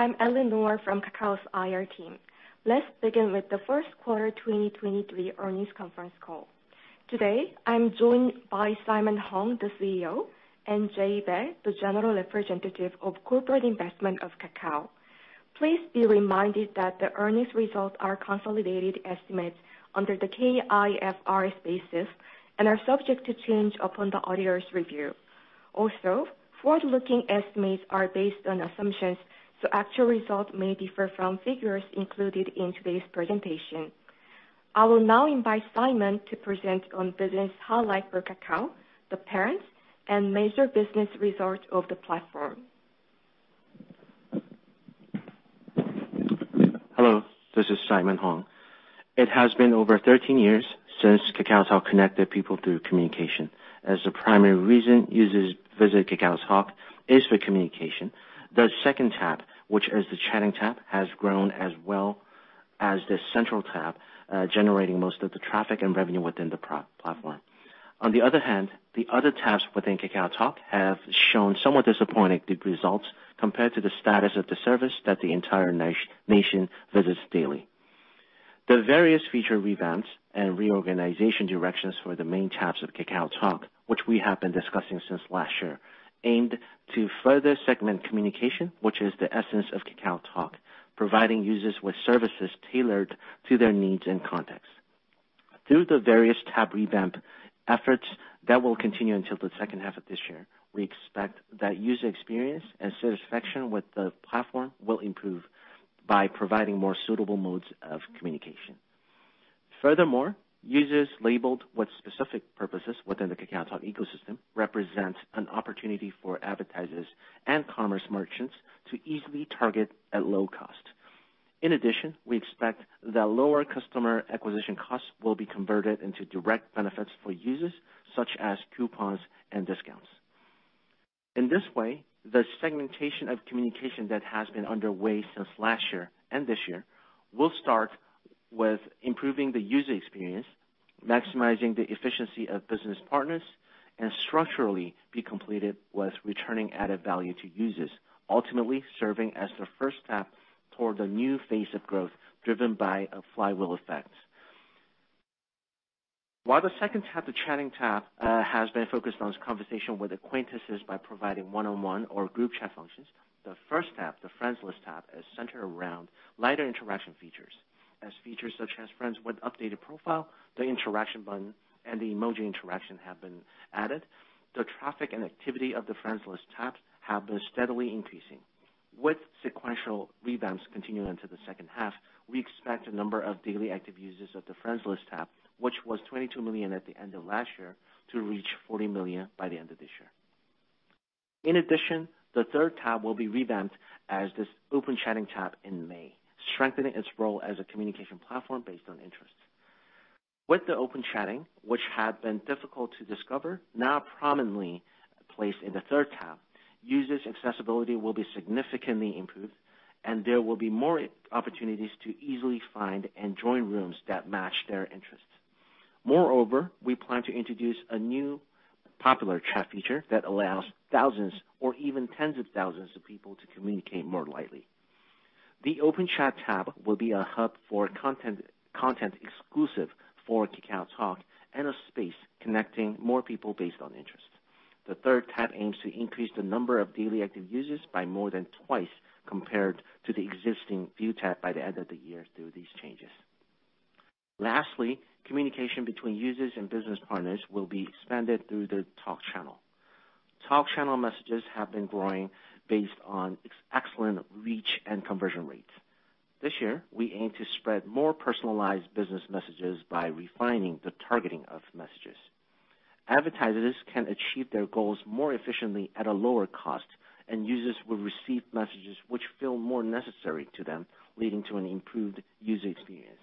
Hello, I'm Ellen Noor from Kakao's IR team. Let's begin with the 1st quarter 2023 earnings conference call. Today, I'm joined by Simon Hong, the CEO, and Jae-hyun Bae, the General Representative of Corporate Investment of Kakao. Please be reminded that the earnings results are consolidated estimates under the K-IFRS basis and are subject to change upon the auditor's review. Forward-looking estimates are based on assumptions, so actual results may differ from figures included in today's presentation. I will now invite Simon to present on business highlights for Kakao, the parents, and major business results of the platform. Hello, this is Simon Hong. It has been over 13 years since KakaoTalk connected people through communication, as the primary reason users visit KakaoTalk is for communication. The second tab, which is the chatting tab, has grown as well as the central tab, generating most of the traffic and revenue within the pro-platform. The other tabs within KakaoTalk have shown somewhat disappointing results compared to the status of the service that the entire nation visits daily. The various feature revamps and reorganization directions for the main tabs of KakaoTalk, which we have been discussing since last year, aimed to further segment communication, which is the essence of KakaoTalk, providing users with services tailored to their needs and context. Through the various tab revamp efforts that will continue until the second half of this year, we expect that user experience and satisfaction with the platform will improve by providing more suitable modes of communication. Users labeled with specific purposes within the KakaoTalk ecosystem represents an opportunity for advertisers and commerce merchants to easily target at low cost. We expect that lower customer acquisition costs will be converted into direct benefits for users, such as coupons and discounts. In this way, the segmentation of communication that has been underway since last year and this year will start with improving the user experience, maximizing the efficiency of business partners, and structurally be completed with returning added value to users, ultimately serving as the first step toward a new phase of growth driven by a flywheel effect. While the second tab, the chatting tab, has been focused on conversation with acquaintances by providing one-on-one or group chat functions, the first tab, the friends list tab, is centered around lighter interaction features. As features such as friends with updated profile, the interaction button, and the emoji interaction have been added. The traffic and activity of the friends list tabs have been steadily increasing. With sequential revamps continuing into the second half, we expect the number of daily active users of the friends list tab, which was 22 million at the end of last year, to reach 40 million by the end of this year. In addition, the third tab will be revamped as this Open Chat tab in May, strengthening its role as a communication platform based on interest. With the Open Chat, which had been difficult to discover, now prominently placed in the third tab, users' accessibility will be significantly improved and there will be more opportunities to easily find and join rooms that match their interests. We plan to introduce a new popular chat feature that allows thousands or even tens of thousands of people to communicate more lightly. The Open Chat tab will be a hub for content exclusive for KakaoTalk and a space connecting more people based on interest. The third tab aims to increase the number of daily active users by more than 2x compared to the existing view tab by the end of the year through these changes. Communication between users and business partners will be expanded through the Talk Channel. Talk Channel messages have been growing based on excellent reach and conversion rates. This year, we aim to spread more personalized business messages by refining the targeting of messages. Advertisers can achieve their goals more efficiently at a lower cost, and users will receive messages which feel more necessary to them, leading to an improved user experience.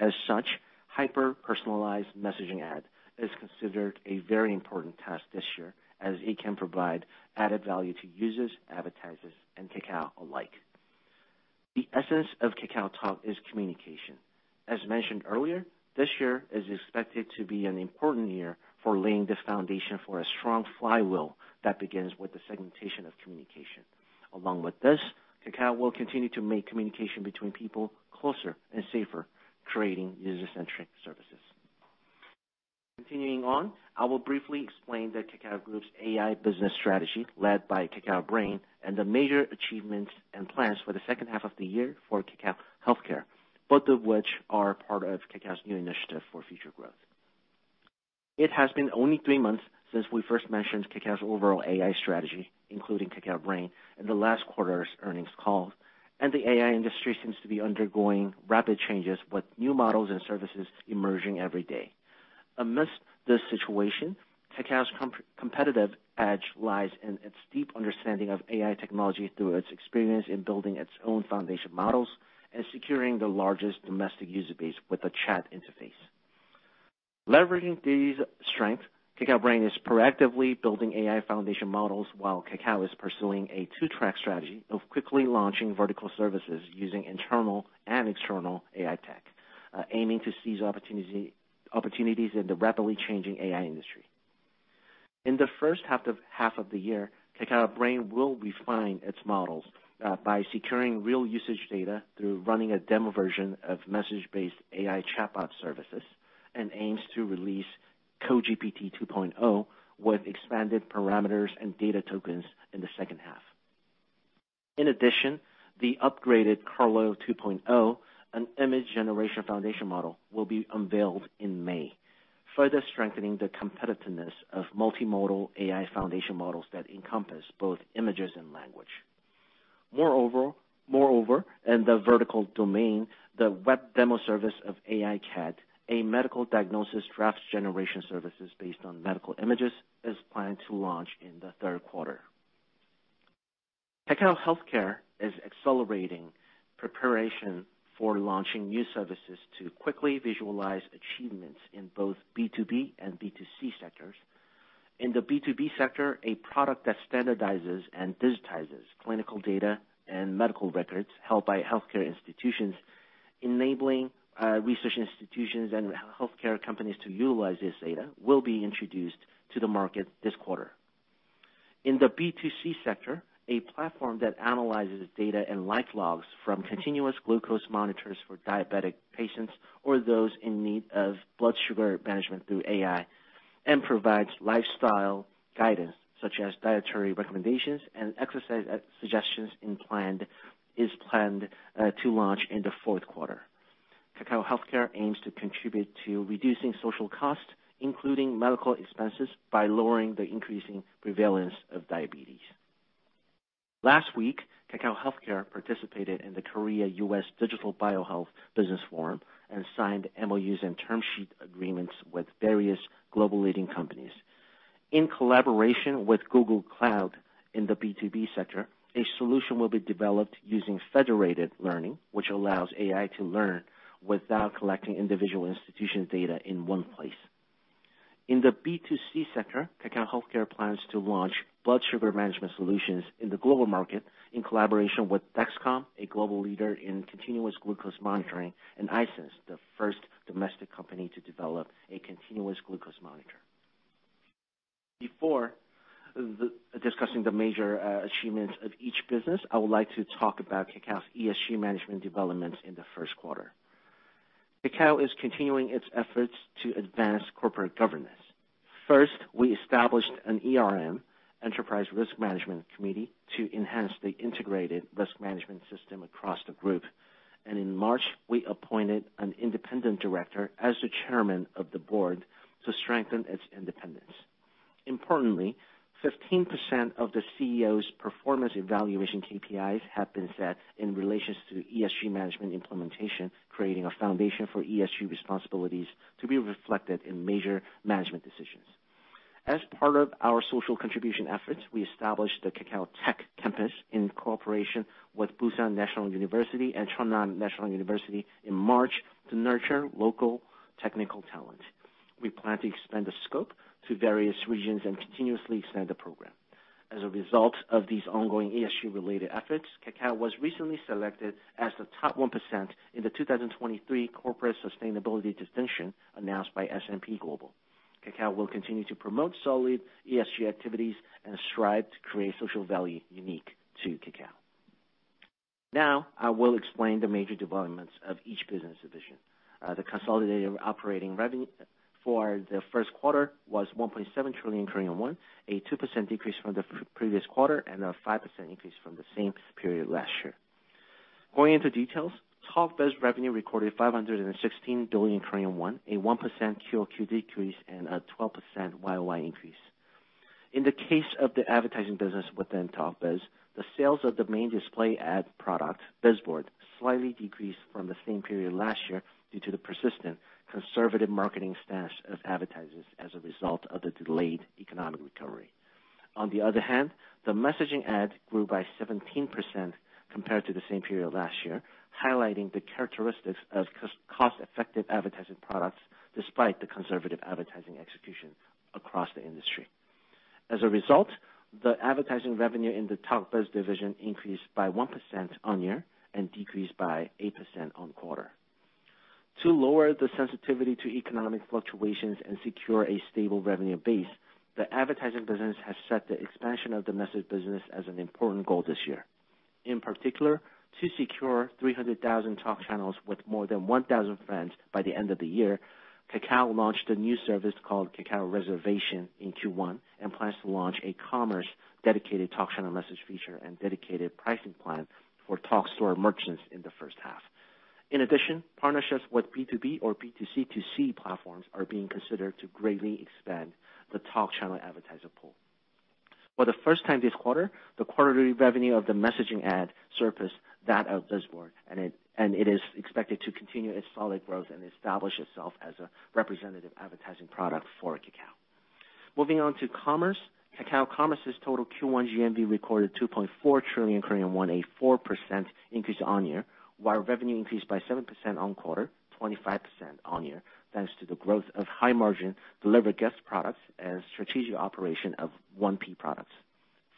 As such, hyper-personalized messaging ad is considered a very important task this year, as it can provide added value to users, advertisers, and Kakao alike. The essence of KakaoTalk is communication. As mentioned earlier, this year is expected to be an important year for laying the foundation for a strong flywheel that begins with the segmentation of communication. Along with this, Kakao will continue to make communication between people closer and safer, creating user-centric services. Continuing on, I will briefly explain the Kakao Group's AI business strategy led by Kakao Brain, and the major achievements and plans for the second half of the year for Kakao Healthcare, both of which are part of Kakao's new initiative for future growth. It has been only three months since we first mentioned Kakao's overall AI strategy, including Kakao Brain, in the last quarter's earnings call, and the AI industry seems to be undergoing rapid changes, with new models and services emerging every day. Amidst this situation, Kakao's competitive edge lies in its deep understanding of AI technology through its experience in building its own foundation models and securing the largest domestic user base with a chat interface. Leveraging these strengths, Kakao Brain is proactively building AI foundation models, while Kakao is pursuing a two-track strategy of quickly launching vertical services using internal and external AI tech, aiming to seize opportunities in the rapidly changing AI industry. In the first half of the year, Kakao Brain will refine its models by securing real usage data through running a demo version of message-based AI chatbot services and aims to release KoGPT 2.0 with expanded parameters and data tokens in the second half. In addition, the upgraded Karlo 2.0, an image generation foundation model, will be unveiled in May, further strengthening the competitiveness of multimodal AI foundation models that encompass both images and language. Moreover, in the vertical domain, the web demo service of AI CAD, a medical diagnosis drafts generation services based on medical images is planned to launch in the third quarter. Kakao Healthcare is accelerating preparation for launching new services to quickly visualize achievements in both B2B and B2C sectors. In the B2B sector, a product that standardizes and digitizes clinical data and medical records held by healthcare institutions, enabling research institutions and healthcare companies to utilize this data, will be introduced to the market this quarter. In the B2C sector, a platform that analyzes data and life logs from continuous glucose monitors for diabetic patients or those in need of blood sugar management through AI, and provides lifestyle guidance such as dietary recommendations and exercise suggestions is planned to launch in the fourth quarter. Kakao Healthcare aims to contribute to reducing social costs, including medical expenses, by lowering the increasing prevalence of diabetes. Last week, Kakao Healthcare participated in the Korea-U.S. Digital and Biohealth Business Forum and signed MOUs and term sheet agreements with various global leading companies. In collaboration with Google Cloud in the B2B sector, a solution will be developed using federated learning, which allows AI to learn without collecting individual institution data in one place. In the B2C sector, Kakao Healthcare plans to launch blood sugar management solutions in the global market in collaboration with Dexcom, a global leader in continuous glucose monitoring, and i-SENS, the first domestic company to develop a continuous glucose monitor. Before discussing the major achievements of each business, I would like to talk about Kakao's ESG management development in the first quarter. Kakao is continuing its efforts to advance corporate governance. First, we established an ERM, enterprise risk management committee, to enhance the integrated risk management system across the group. In March, we appointed an independent director as the chairman of the board to strengthen its independence. Importantly, 15% of the CEO's performance evaluation KPIs have been set in relations to ESG management implementation, creating a foundation for ESG responsibilities to be reflected in major management decisions. As part of our social contribution efforts, we established the Kakao Tech Campus in cooperation with Pusan National University and Kongju National University in March to nurture local technical talent. We plan to expand the scope to various regions and continuously expand the program. As a result of these ongoing ESG-related efforts, Kakao was recently selected as the top 1% in the 2023 Corporate Sustainability Distinction announced by S&P Global. Kakao will continue to promote solid ESG activities and strive to create social value unique to Kakao. Now, I will explain the major developments of each business division. The consolidated operating revenue for the first quarter was 1.7 trillion Korean won, a 2% decrease from the previous quarter, and a 5% increase from the same period last year. Going into details, TalkBiz revenue recorded 516 billion Korean won, a 1% QOQ decrease and a 12% YOY increase. In the case of the advertising business within TalkBiz, the sales of the main display ad product, Bizboard, slightly decreased from the same period last year due to the persistent conservative marketing stance of advertisers as a result of the delayed economic recovery. On the other hand, the messaging ads grew by 17% compared to the same period last year, highlighting the characteristics of cost-effective advertising products despite the conservative advertising execution across the industry. As a result, the advertising revenue in the Talk Biz division increased by 1% on-year and decreased by 8% on-quarter. To lower the sensitivity to economic fluctuations and secure a stable revenue base, the advertising business has set the expansion of the message business as an important goal this year. In particular, to secure 300,000 Talk Channels with more than 1,000 friends by the end of the year, Kakao launched a new service called Kakao Reservation in Q1, and plans to launch a commerce-dedicated Talk Channel message feature and dedicated pricing plan for Talk Store merchants in the first half. In addition, partnerships with B2B or B2C2C platforms are being considered to greatly expand the Talk Channel advertiser pool. For the first time this quarter, the quarterly revenue of the messaging ad surfaced that of BizBoard, and it is expected to continue its solid growth and establish itself as a representative advertising product for Kakao. Moving on to commerce. Kakao Commerce's total Q1 GMV recorded 2.4 trillion Korean won, a 4% increase year-over-year, while revenue increased by 7% quarter-over-quarter, 25% year-over-year, thanks to the growth of high-margin delivered gift products and strategic operation of 1P products.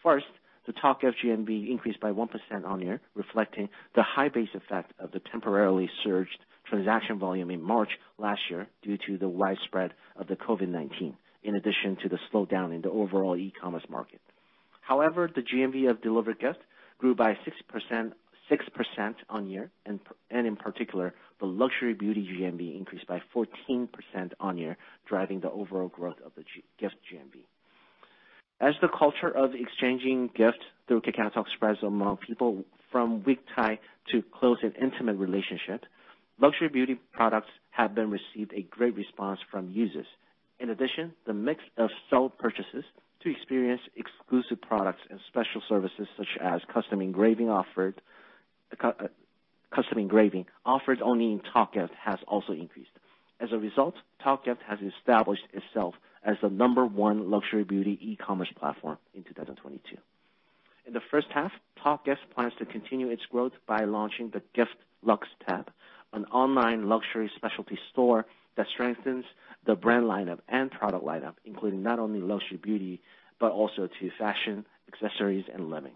First, the Talk GMV increased by 1% year-over-year, reflecting the high base effect of the temporarily surged transaction volume in March last year due to the widespread of the COVID-19, in addition to the slowdown in the overall e-commerce market. The GMV of delivered gifts grew by 6% year-over-year, In particular, the luxury beauty GMV increased by 14% year-over-year, driving the overall growth of the gift GMV. As the culture of exchanging gifts through KakaoTalk spreads among people from weak tie to close and intimate relationship, luxury beauty products have been received a great response from users. In addition, the mix of sell purchases to experience exclusive products and special services such as custom engraving offered only in TalkGift has also increased. As a result, TalkGift has established itself as the number 1 luxury beauty e-commerce platform in 2022. In the first half, TalkGift plans to continue its growth by launching the Gift LuX tab, an online luxury specialty store that strengthens the brand lineup and product lineup, including not only luxury beauty, but also to fashion, accessories, and living.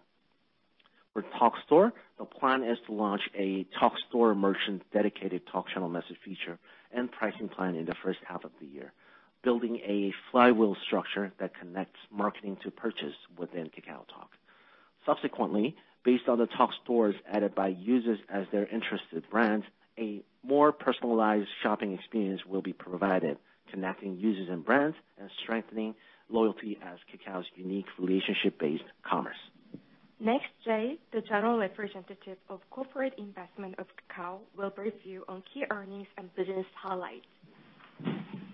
For Talk Store, the plan is to launch a Talk Store merchant dedicated talk channel message feature and pricing plan in the first half of the year, building a flywheel structure that connects marketing to purchase within KakaoTalk. Subsequently, based on the Talk Stores added by users as their interested brands, a more personalized shopping experience will be provided, connecting users and brands and strengthening loyalty as Kakao's unique relationship-based commerce. Next, Jay, the General Representative of Corporate Investment of Kakao, will brief you on key earnings and business highlights.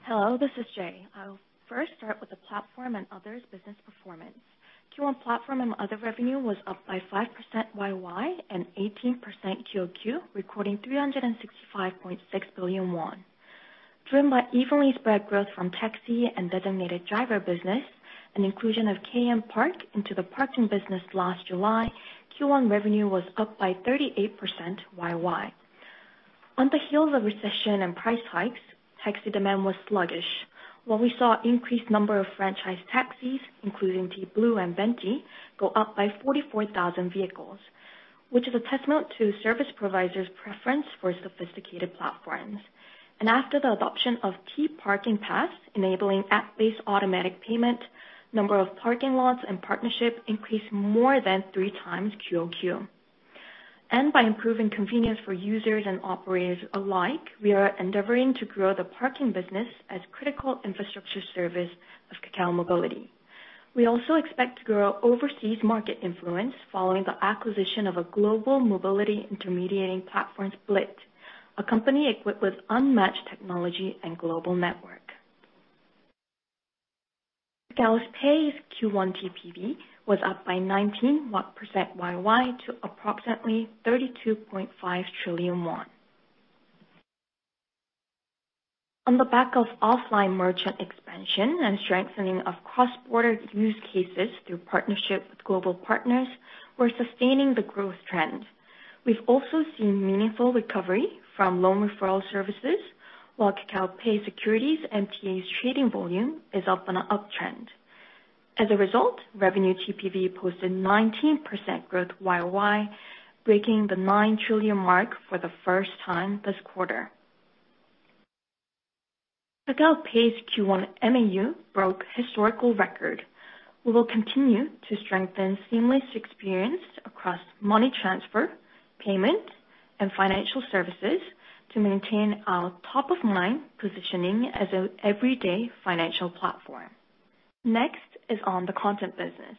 Hello, this is Jay. I will first start with the platform and others business performance. Q1 platform and other revenue was up by 5% Y-Y and 18% Q-O-Q, recording 365.6 billion won. Driven by evenly spread growth from taxi and designated driver business and inclusion of KM Park into the parking business last July, Q1 revenue was up by 38% Y-Y. On the heels of recession and price hikes, taxi demand was sluggish, while we saw increased number of franchise taxis, including T Blue and Venti, go up by 44,000 vehicles, which is a testament to service providers' preference for sophisticated platforms. After the adoption of key parking pass, enabling app-based automatic payment, number of parking lots and partnership increased more than 3 times Q-O-Q. By improving convenience for users and operators alike, we are endeavoring to grow the parking business as critical infrastructure service of Kakao Mobility. We also expect to grow overseas market influence following the acquisition of a global mobility intermediating platform, Splyt, a company equipped with unmatched technology and global network. Kakao Pay's Q1 TPV was up by 19% Y-Y to approximately KRW 32.5 trillion. On the back of offline merchant expansion and strengthening of cross-border use cases through partnership with global partners, we're sustaining the growth trend. We've also seen meaningful recovery from loan referral services, while Kakao Pay Securities MTS's trading volume is up on an uptrend. As a result, revenue TPV posted 19% growth Y-O-Y, breaking the 9 trillion mark for the first time this quarter. Kakao Pay's Q1 MAU broke historical record. We will continue to strengthen seamless experience across money transfer, payment, and financial services to maintain our top of mind positioning as a everyday financial platform. Next is on the content business.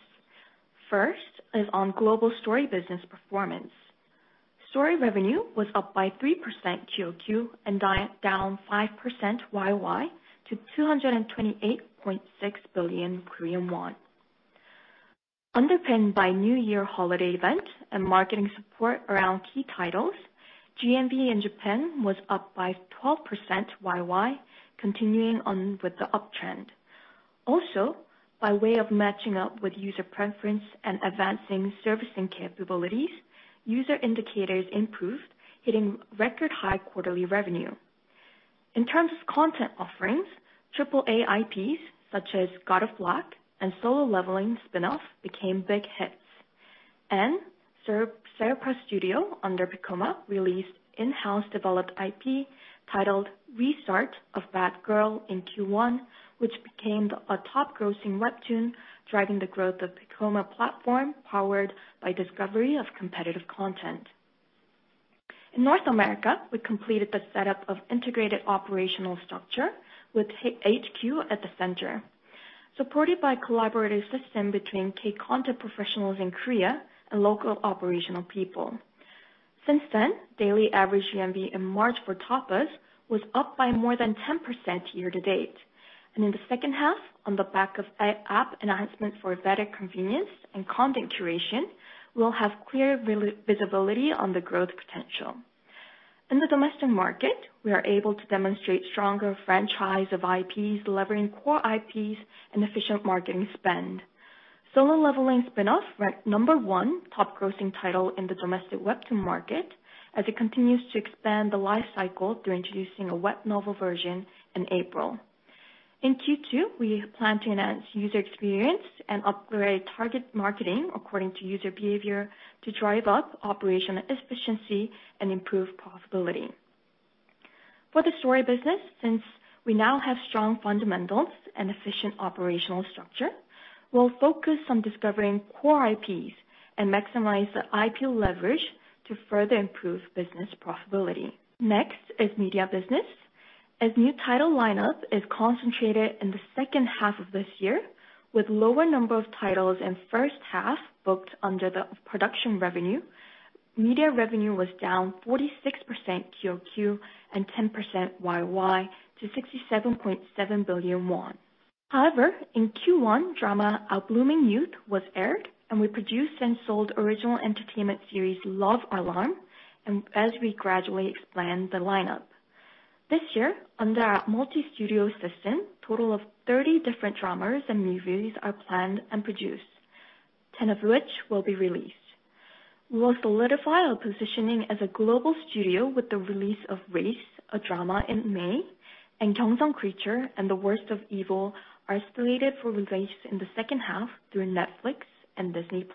First is on global story business performance. Story revenue was up by 3% Q-O-Q and down 5% Y-Y to 228.6 billion Korean won. Underpinned by New Year holiday event and marketing support around key titles, GMV in Japan was up by 12% Y-Y, continuing on with the uptrend. Also, by way of matching up with user preference and advancing servicing capabilities, user indicators improved, hitting record high quarterly revenue. In terms of content offerings, AAA IPs such as God of Flock and Solo Leveling Spin-off became big hits. Sherpa Studio under Piccoma released in-house developed IP titled Restart of Bad Girl in Q1, which became a top grossing webtoon, driving the growth of Piccoma platform powered by discovery of competitive content. In North America, we completed the setup of integrated operational structure with HQ at the center, supported by collaborative system between K-content professionals in Korea and local operational people. Since then, daily average GMV in March for Tapas was up by more than 10% year to date. In the second half, on the back of app enhancement for better convenience and content curation, we'll have clear visibility on the growth potential. In the domestic market, we are able to demonstrate stronger franchise of IPs, leveraging core IPs and efficient marketing spend. Solo Leveling Spin-off ranked number 1 top grossing title in the domestic webtoon market, as it continues to expand the life cycle through introducing a web novel version in April. In Q2, we plan to enhance user experience and upgrade target marketing according to user behavior to drive up operational efficiency and improve profitability. For the story business, since we now have strong fundamentals and efficient operational structure, we'll focus on discovering core IPs and maximize the IP leverage to further improve business profitability. Next is media business. As new title lineup is concentrated in the 2nd half of this year, with lower number of titles in 1st half booked under the production revenue, media revenue was down 46% QOQ and 10% YOY to 67.7 billion won. In Q1, drama Our Blooming Youth was aired, and we produced and sold original entertainment series Love Alarm, and as we gradually expand the lineup. This year, under our multi-studio system, total of 30 different dramas and movies are planned and produced, 10 of which will be released. We will solidify our positioning as a global studio with the release of Race, a drama in May, and Gyeongseong Creature and The Worst of Evil are slated for release in the second half through Netflix and Disney+.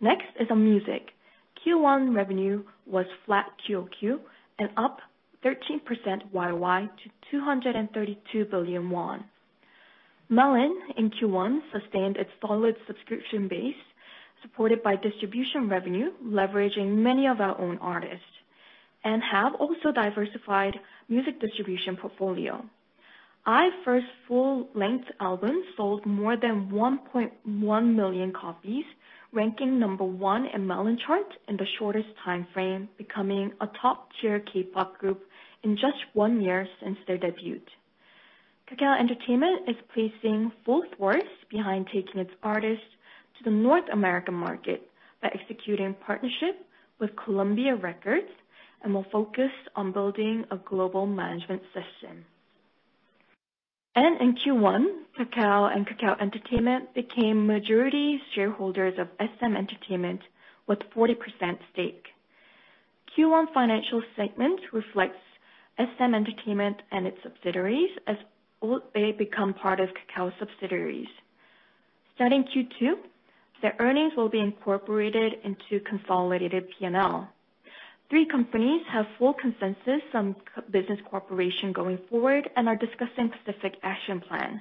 Next is on music. Q1 revenue was flat QOQ and up 13% YOY to 232 billion won. Melon in Q1 sustained its solid subscription base, supported by distribution revenue, leveraging many of our own artists, and have also diversified music distribution portfolio. IVE first full-length album sold more than 1.1 million copies, ranking number one in Melon Chart in the shortest time frame, becoming a top-tier K-pop group in just one year since their debut. Kakao Entertainment is placing full force behind taking its artists to the North American market by executing partnership with Columbia Records, we're focused on building a global management system. In Q1, Kakao and Kakao Entertainment became majority shareholders of SM Entertainment with 40% stake. Q1 financial segment reflects SM Entertainment and its subsidiaries as they become part of Kakao subsidiaries. Starting Q2, their earnings will be incorporated into consolidated P&L. Three companies have full consensus on k- business cooperation going forward and are discussing specific action plan.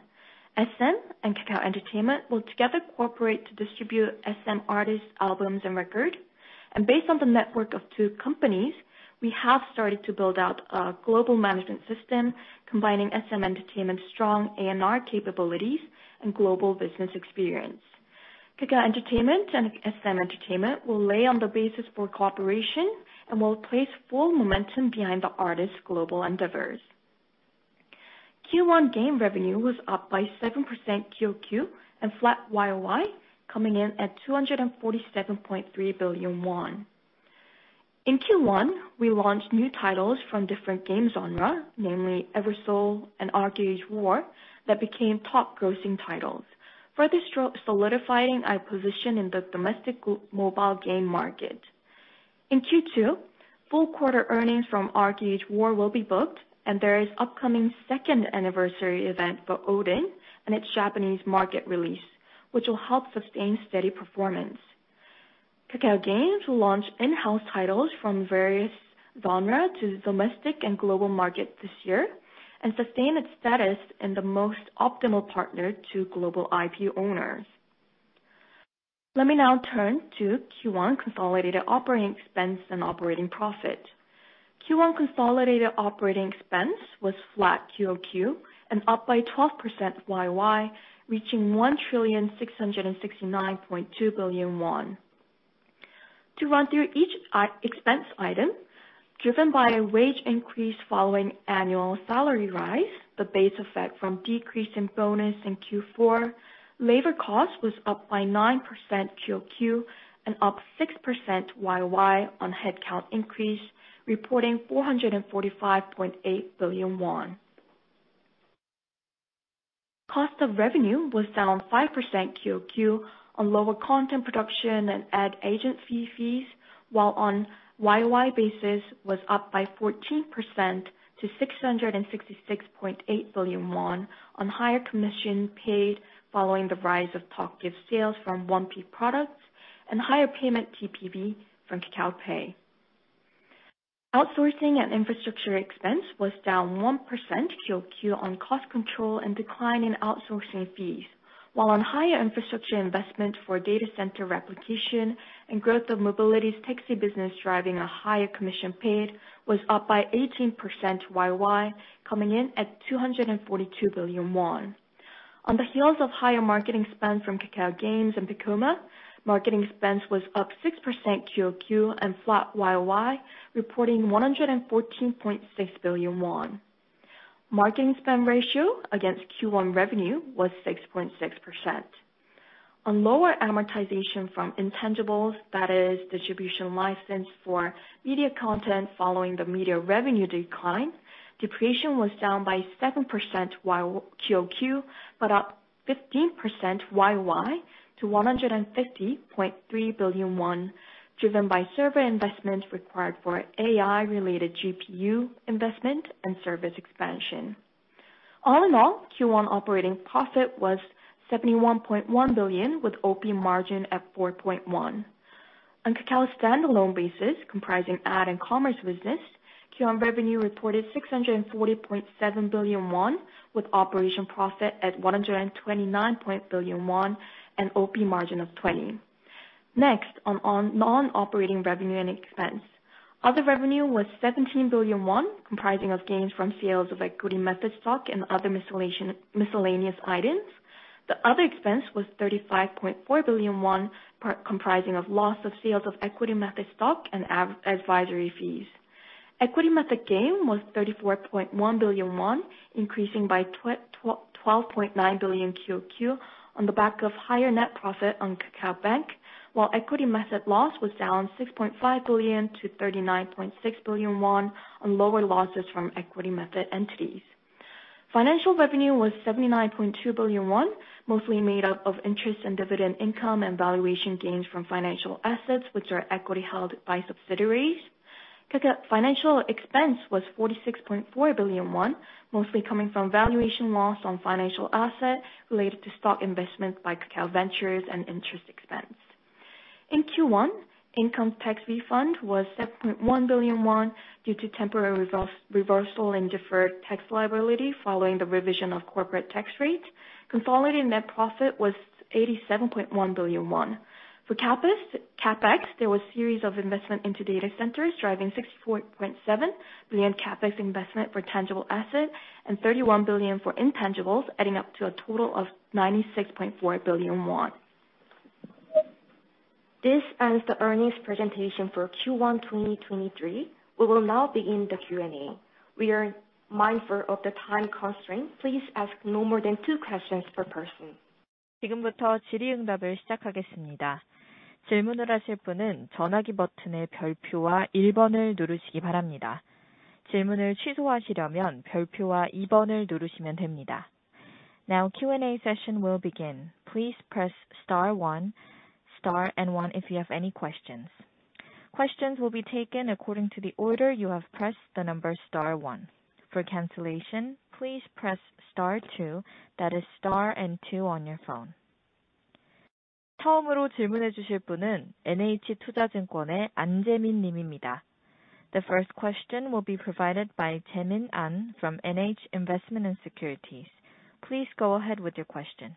SM and Kakao Entertainment will together cooperate to distribute SM artists' albums and record. Based on the network of two companies, we have started to build out a global management system combining SM Entertainment's strong A&R capabilities and global business experience. Kakao Entertainment and SM Entertainment will lay on the basis for cooperation and will place full momentum behind the artists' global endeavors. Q1 game revenue was up by 7% QOQ and flat YOY, coming in at 247.3 billion won. In Q1, we launched new titles from different game genre, namely Eversoul and ArcheAge: War, that became top grossing titles, further solidifying our position in the domestic mobile game market. In Q2, full quarter earnings from ArcheAge: War will be booked, and there is upcoming second anniversary event for Odin and its Japanese market release, which will help sustain steady performance. Kakao Games will launch in-house titles from various genre to domestic and global market this year and sustain its status in the most optimal partner to global IP owners. Let me now turn to Q1 consolidated operating expense and operating profit. Q1 consolidated operating expense was flat QOQ and up by 12% YOY, reaching 1,669.2 billion won. To run through each expense item, driven by a wage increase following annual salary rise, the base effect from decrease in bonus in Q4, labor cost was up by 9% QOQ and up 6% YOY on headcount increase, reporting KRW 445.8 billion. Cost of revenue was down 5% QOQ on lower content production and ad agent fees, while on YOY basis was up by 14% to 666.8 billion won on higher commission paid following the rise of TalkGift sales from 1P products and higher payment TPV from Kakao Pay. Outsourcing and infrastructure expense was down 1% QOQ on cost control and decline in outsourcing fees, while on higher infrastructure investment for data center replication and growth of mobility's taxi business driving a higher commission paid was up by 18% YOY, coming in at 242 billion won. On the heels of higher marketing spend from Kakao Games and Piccoma, marketing expense was up 6% QOQ and flat YOY, reporting 114.6 billion won. Marketing spend ratio against Q1 revenue was 6.6%. On lower amortization from intangibles, that is distribution license for media content following the media revenue decline, depreciation was down by 7% while QOQ, but up 15% YOY to 150.3 billion won, driven by server investment required for AI-related GPU investment and service expansion. All in all, Q1 operating profit was 71.1 billion, with OP margin at 4.1%. On Kakao standalone basis, comprising ad and commerce business, Q1 revenue reported 640.7 billion won, with operation profit at 129. billion and OP margin of 20%. Next, on non-operating revenue and expense. Other revenue was 17 billion won, comprising of gains from sales of equity method stock and other miscellaneous items. The other expense was 35.4 billion won comprising of loss of sales of equity method stock and advisory fees. Equity method gain was 34.1 billion won, increasing by 12.9 billion QOQ on the back of higher net profit on KakaoBank, while equity method loss was down 6.5 billion to 39.6 billion won on lower losses from equity method entities. Financial revenue was 79.2 billion won, mostly made up of interest and dividend income and valuation gains from financial assets which are equity held by subsidiaries. Financial expense was 46.4 billion won, mostly coming from valuation loss on financial assets related to stock investment by Kakao Ventures and interest expense. In Q1, income tax refund was 7.1 billion won due to temporary reversal in deferred tax liability following the revision of corporate tax rate. Consolidated net profit was 87.1 billion won. For CapEx, there was series of investment into data centers driving 64.7 billion CapEx investment for tangible assets and 31 billion for intangibles, adding up to a total of 96.4 billion won. This ends the earnings presentation for Q1 2023. We will now begin the Q&A. We are mindful of the time constraint. Please ask no more than two questions per person. Q&A session will begin. Please press star one, star and one if you have any questions. Questions will be taken according to the order you have pressed the number star one. For cancellation, please press star two, that is star and two on your phone. The first question will be provided by Jaemin Ahn from NH Investment & Securities. Please go ahead with your question.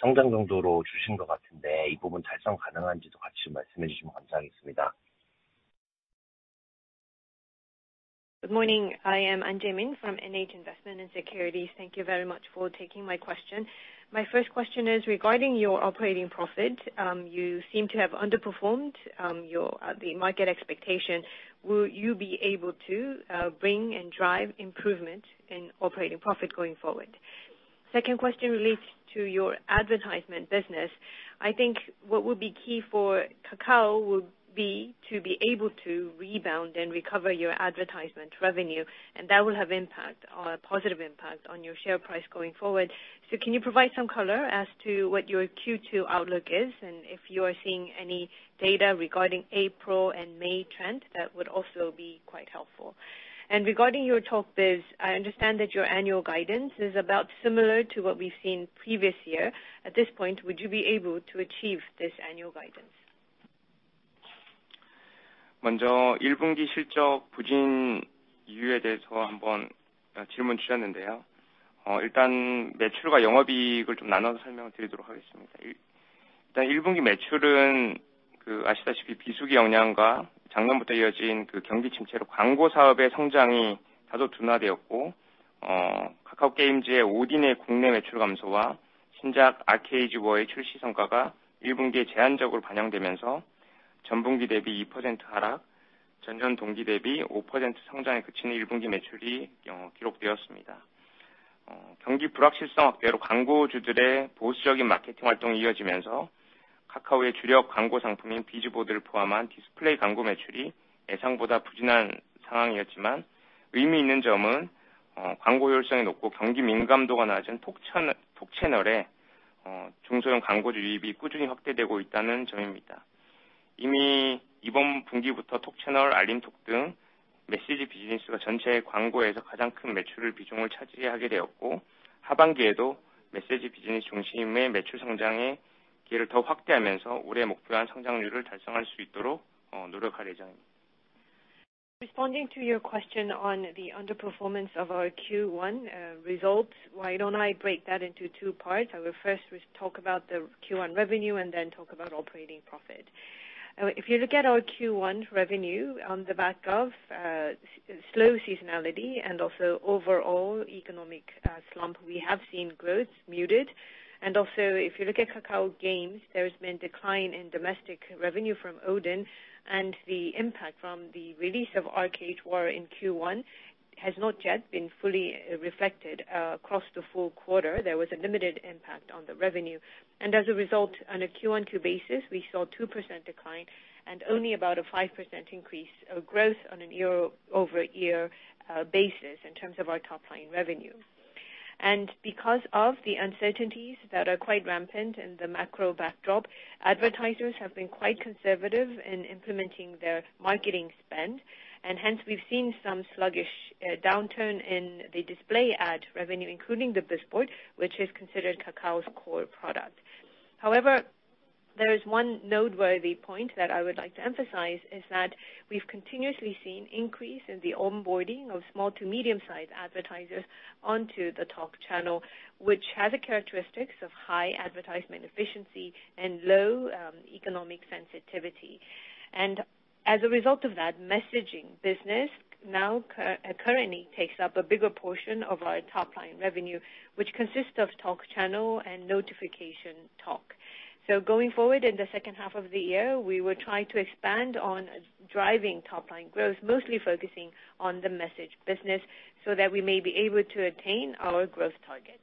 Good morning. I am Ahn Jaemin from NH Investment & Securities. Thank you very much for taking my question. My first question is regarding your operating profit. You seem to have underperformed your the market expectation. Will you be able to bring and drive improvement in operating profit going forward? Second question relates to your advertisement business. I think what will be key for Kakao will be to be able to rebound and recover your advertisement revenue, and that will have impact or a positive impact on your share price going forward. Can you provide some color as to what your Q2 outlook is, and if you are seeing any data regarding April and May trend, that would also be quite helpful. Regarding your Talk Biz, I understand that your annual guidance is about similar to what we've seen previous year. At this point, would you be able to achieve this annual guidance? Responding to your question on the underperformance of our Q1 results, why don't I break that into two parts? I will first talk about the Q1 revenue and then talk about operating profit. If you look at our Q1 revenue on the back of slow seasonality and also overall economic slump, we have seen growth muted. Also, if you look at Kakao Games, there's been decline in domestic revenue from ODIN and the impact from the release of ArcheAge WAR in Q1 has not yet been fully reflected across the full quarter. There was a limited impact on the revenue. As a result, on a Q1Q basis, we saw 2% decline and only about a 5% increase growth on a year-over-year basis in terms of our top line revenue. Because of the uncertainties that are quite rampant in the macro backdrop, advertisers have been quite conservative in implementing their marketing spend. Hence, we've seen some sluggish downturn in the display ad revenue, including the BizBoard, which is considered Kakao's core product. However, there is one noteworthy point that I would like to emphasize is that we've continuously seen increase in the onboarding of small to medium-sized advertisers onto the Talk Channel, which has the characteristics of high advertisement efficiency and low economic sensitivity. As a result of that, messaging business now currently takes up a bigger portion of our top line revenue, which consists of Talk Channel and Notification Talk. Going forward in the second half of the year, we will try to expand on driving top line growth, mostly focusing on the message business so that we may be able to attain our growth target.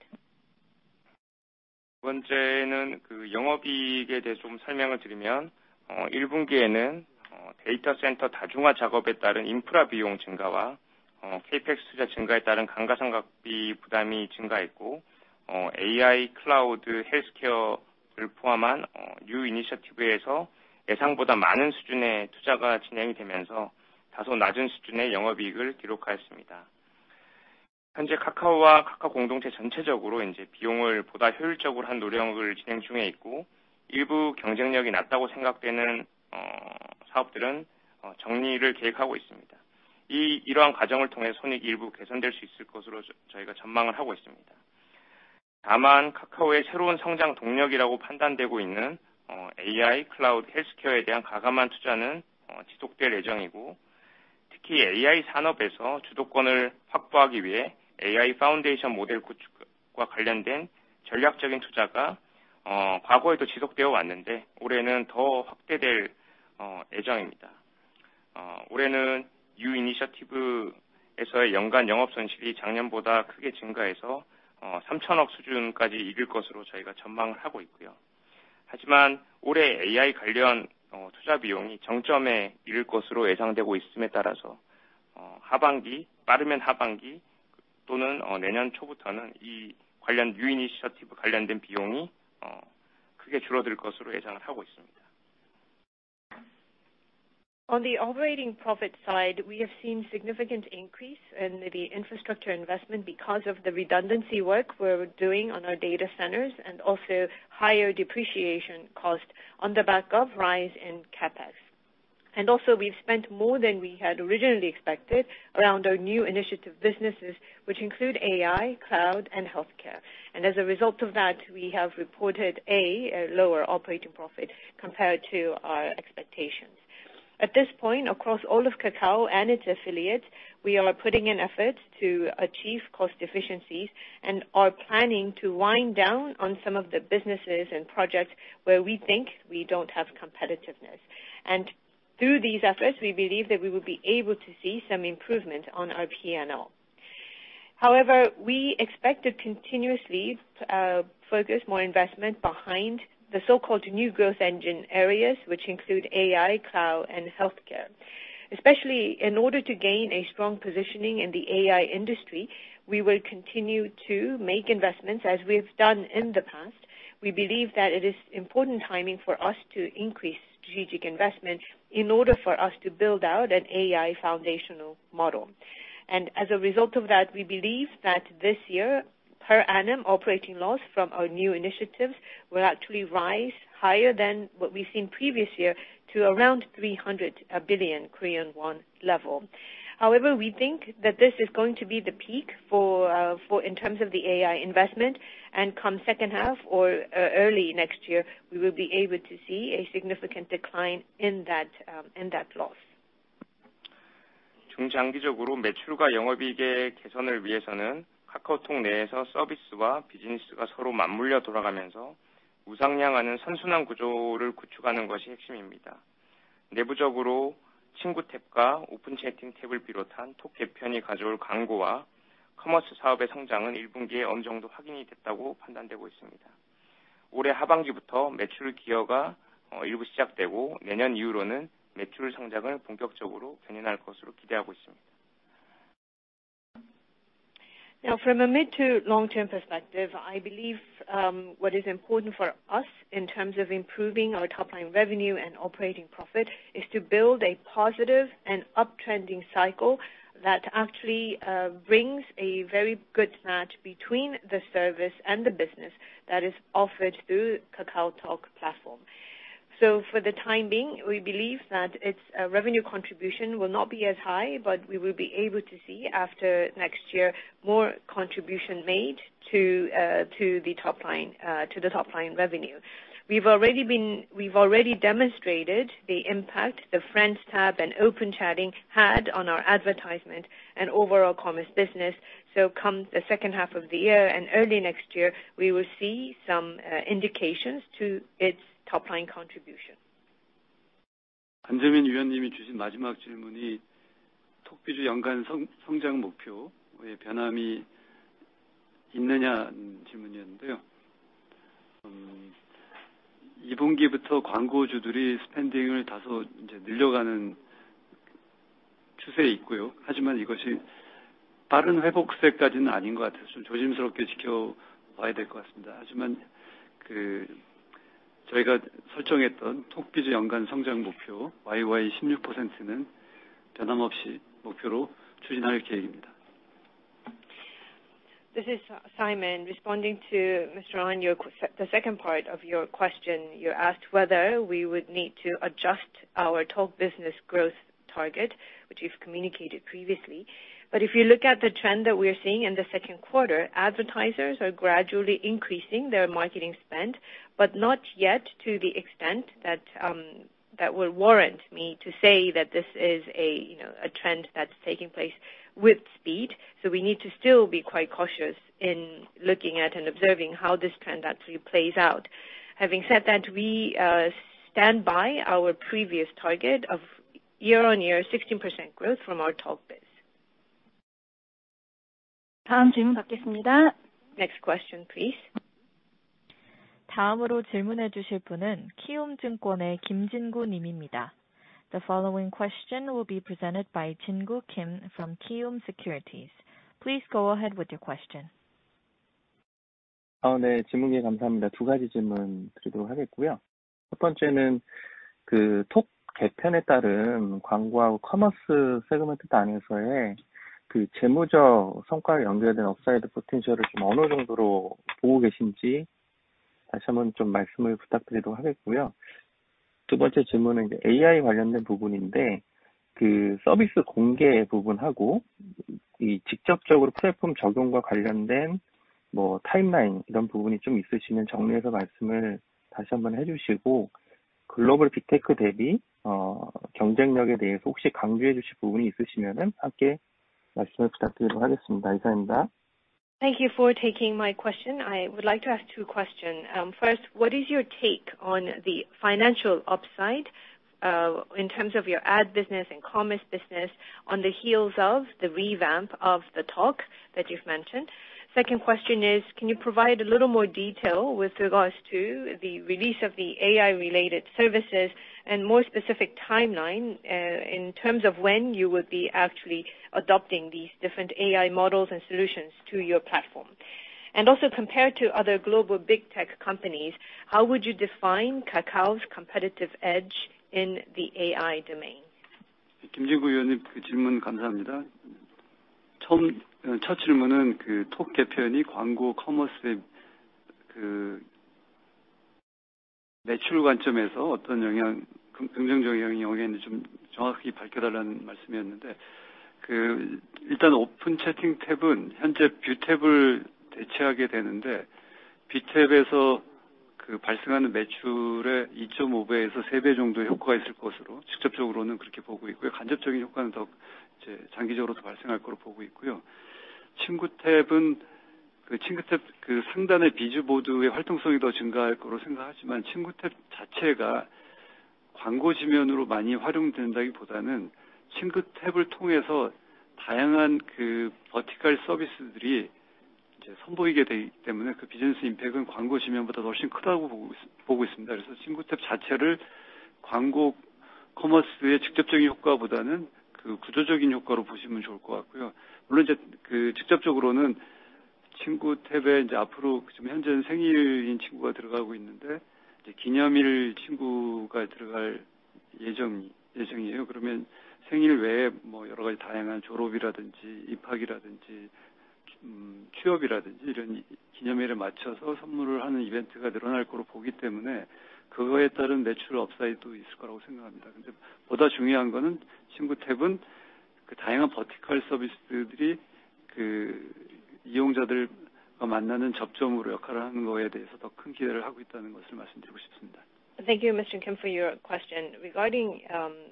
On the operating profit side, we have seen significant increase in the infrastructure investment because of the redundancy work we're doing on our data centers. Also, higher depreciation cost on the back of rise in CapEx. Also, we've spent more than we had originally expected around our new initiative businesses, which include AI, cloud, and healthcare. As a result of that, we have reported a lower operating profit compared to our expectations. At this point, across all of Kakao and its affiliates, we are putting in efforts to achieve cost efficiencies and are planning to wind down on some of the businesses and projects where we think we don't have competitiveness. Through these efforts, we believe that we will be able to see some improvement on our P&L. However, we expect to continuously focus more investment behind the so-called new growth engine areas, which include AI, cloud, and healthcare. Especially in order to gain a strong positioning in the AI industry, we will continue to make investments as we've done in the past. We believe that it is important timing for us to increase strategic investment in order for us to build out an AI foundational model. As a result of that, we believe that this year, per annum operating loss from our new initiatives will actually rise higher than what we've seen previous year to around 300 billion Korean won level. We think that this is going to be the peak for in terms of the AI investment, and come second half or early next year, we will be able to see a significant decline in that, in that loss. From a mid to long-term perspective, I believe, what is important for us in terms of improving our top line revenue and operating profit is to build a positive and uptrending cycle that actually brings a very good match between the service and the business that is offered through KakaoTalk platform. For the time being, we believe that its revenue contribution will not be as high, but we will be able to see after next year more contribution made to the top line, to the top line revenue. We've already demonstrated the impact the Friends tab and Open Chat had on our advertisement and overall commerce business. Come the second half of the year and early next year, we will see some indications to its top line contribution. This is Simon responding to Mr. Ahn, your the second part of your question, you asked whether we would need to adjust our Talk Biz growth target, which we've communicated previously. If you look at the trend that we are seeing in the second quarter, advertisers are gradually increasing their marketing spend, but not yet to the extent that would warrant me to say that this is a, you know, a trend that's taking place with speed. We need to still be quite cautious in looking at and observing how this trend actually plays out. Having said that, we stand by our previous target of year-on-year 16% growth from our Talk Biz. Next question, please. The following question will be presented by Jingu Kim from Kiwoom Securities. Please go ahead with your question. Thank you for taking my question. I would like to ask two question. First, what is your take on the financial upside, in terms of your ad business and commerce business on the heels of the revamp of the Talk that you've mentioned? Second question is, can you provide a little more detail with regards to the release of the AI related services and more specific timeline, in terms of when you would be actually adopting these different AI models and solutions to your platform? Compared to other global big tech companies, how would you define Kakao's competitive edge in the AI domain? Thank you, Mr. Kim, for your question. Regarding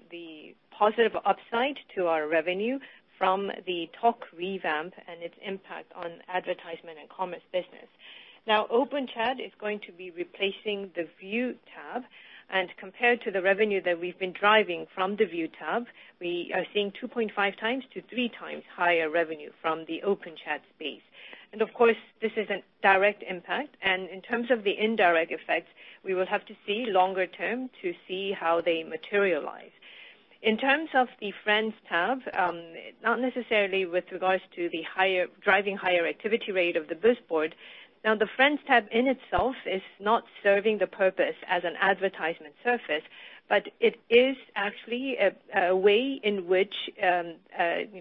the positive upside to our revenue from the Talk revamp and its impact on advertisement and commerce business. Open Chat is going to be replacing the View tab, and compared to the revenue that we've been driving from the View tab, we are seeing 2.5-3 times higher revenue from the Open Chat space. Of course, this is a direct impact. In terms of the indirect effects, we will have to see longer term to see how they materialize. In terms of the Friends tab, not necessarily with regards to driving higher activity rate of the BizBoard. The Friends tab in itself is not serving the purpose as an advertisement surface. It is actually a way in which, you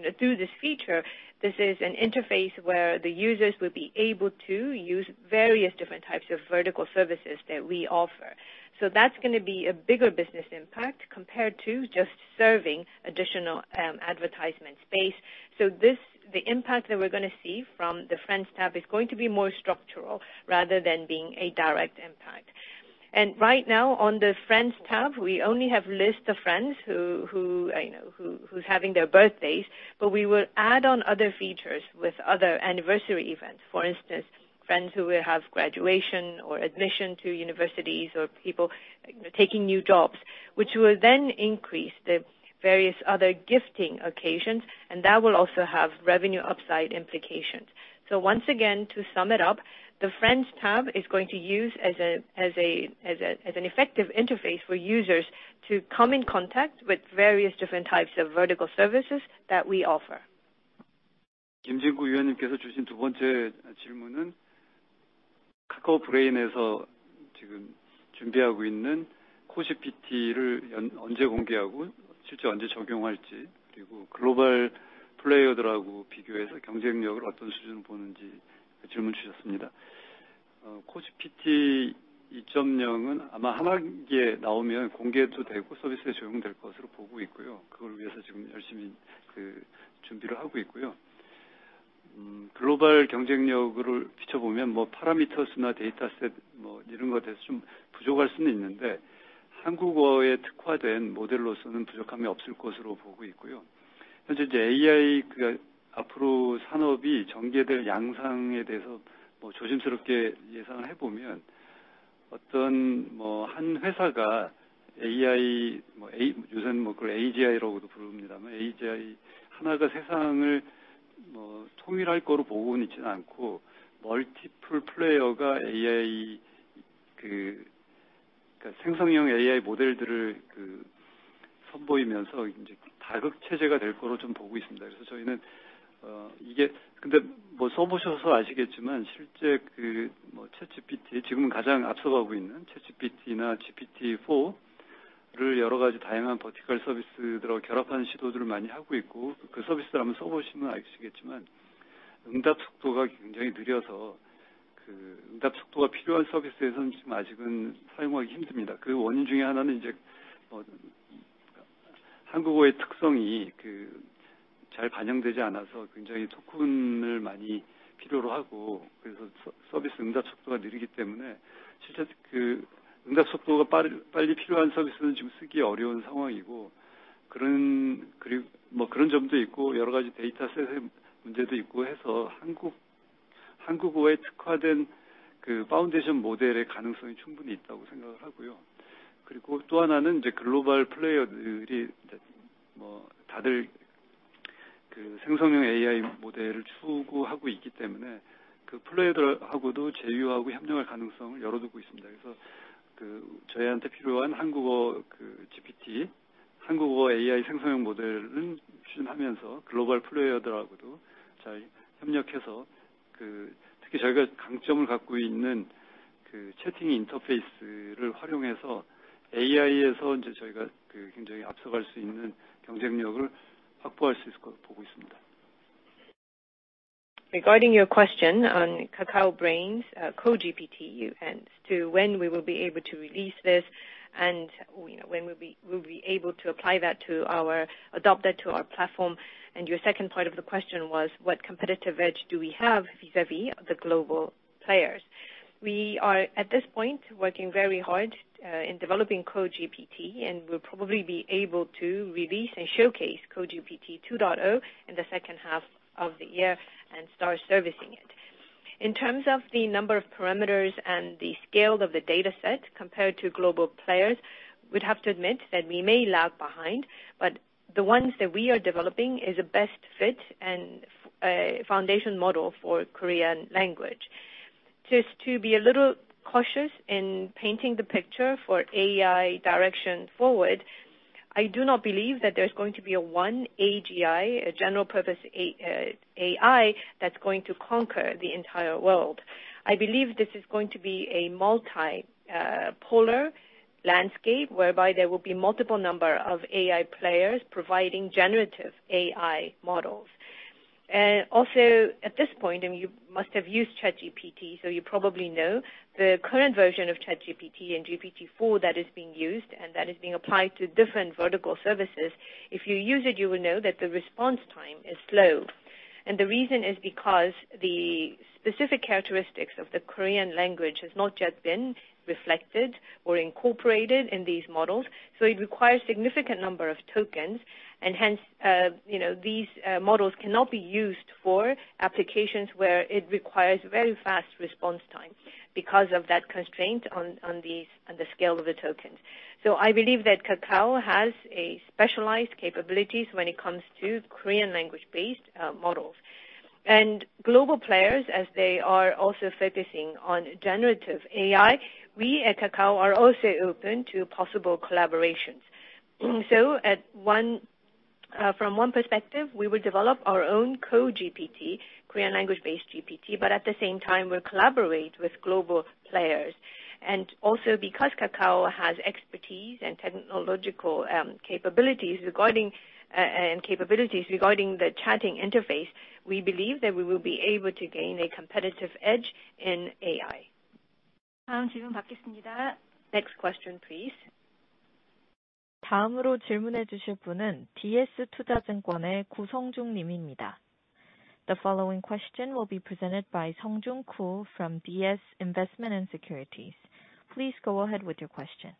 know, through this feature, this is an interface where the users will be able to use various different types of vertical services that we offer. That's gonna be a bigger business impact compared to just serving additional advertisement space. The impact that we're gonna see from the Friends tab is going to be more structural rather than being a direct impact. Right now on the Friends tab, we only have list of friends who, you know, who's having their birthdays, but we will add on other features with other anniversary events. For instance, friends who will have graduation or admission to universities or people, you know, taking new jobs, which will then increase the various other gifting occasions, and that will also have revenue upside implications. Once again, to sum it up, the Friends tab is going to use as an effective interface for users to come in contact with various different types of vertical services that we offer. global parameters. Regarding your question on Kakao Brain's KoGPT, and to when we will be able to release this and, you know, when we'll be able to apply that to our adopt that to our platform. Your second part of the question was, what competitive edge do we have vis-a-vis the global players? We are, at this point, working very hard in developing KoGPT, and we'll probably be able to release and showcase KoGPT 2.0 in the second half of the year and start servicing it. In terms of the number of parameters and the scale of the dataset compared to global players, we'd have to admit that we may lag behind, but the ones that we are developing is a best fit and foundation model for Korean language. Just to be a little cautious in painting the picture for AI direction forward, I do not believe that there's going to be a one AGI, a general purpose A, AI that's going to conquer the entire world. I believe this is going to be a multi polar landscape whereby there will be multiple number of AI players providing generative AI models. Also, at this point, you must have used ChatGPT, so you probably know the current version of ChatGPT and GPT-4 that is being used and that is being applied to different vertical services, if you use it, you will know that the response time is slow. The reason is because the specific characteristics of the Korean language has not yet been reflected or incorporated in these models, so it requires significant number of tokens and hence, you know, these models cannot be used for applications where it requires very fast response time because of that constraint on these, on the scale of the tokens. I believe that Kakao has a specialized capabilities when it comes to Korean language-based models. Global players, as they are also focusing on generative AI, we at Kakao are also open to possible collaboration. At one, from one perspective, we will develop our own KoGPT, Korean language-based GPT, but at the same time we'll collaborate with global players. Also because Kakao has expertise and technological capabilities regarding the chatting interface, we believe that we will be able to gain a competitive edge in AI. Next question, please. The following question will be presented by Sung Jung Koo from DS Investment & Securities. Please go ahead with your question.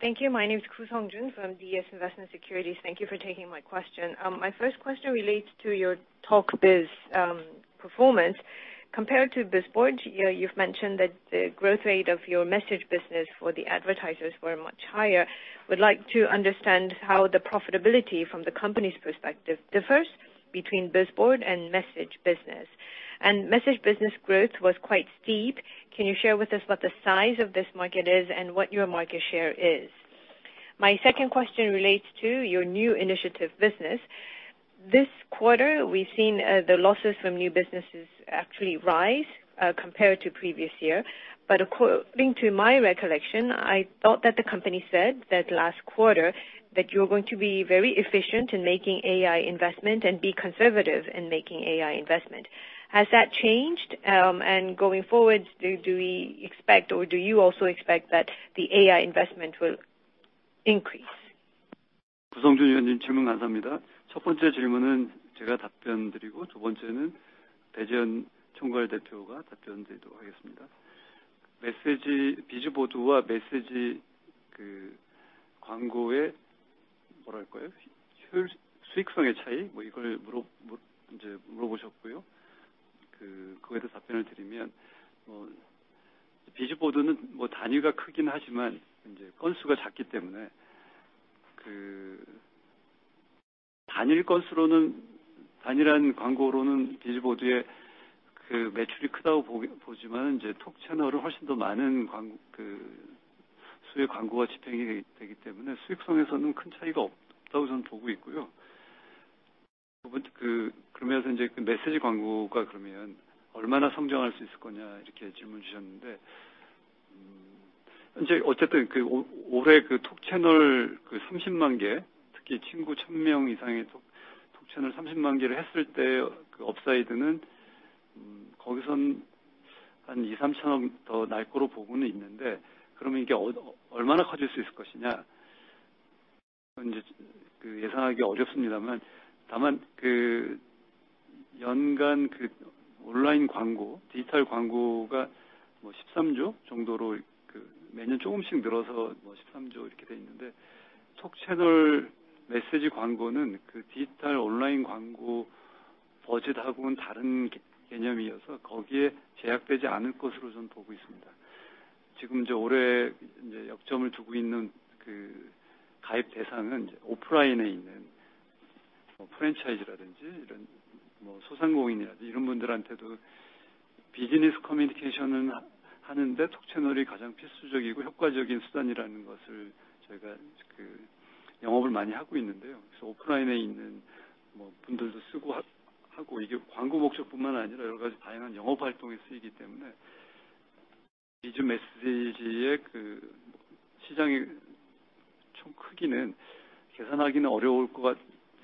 Thank you. My name is Koo Sung Jung from DS Investment & Securities. Thank you for taking my question. My first question relates to your Talk Biz performance. Compared to BizBoard, you've mentioned that the growth rate of your message business for the advertisers were much higher. Would like to understand how the profitability from the company's perspective differs between BizBoard and message business. Message business growth was quite steep. Can you share with us what the size of this market is and what your market share is? My second question relates to your new initiative business. This quarter, we've seen the losses from new businesses actually rise compared to previous year. According to my recollection, I thought that the company said that last quarter that you're going to be very efficient in making AI investment and be conservative in making AI investment. Has that changed? Going forward, do we expect or do you also expect that the AI investment will increase?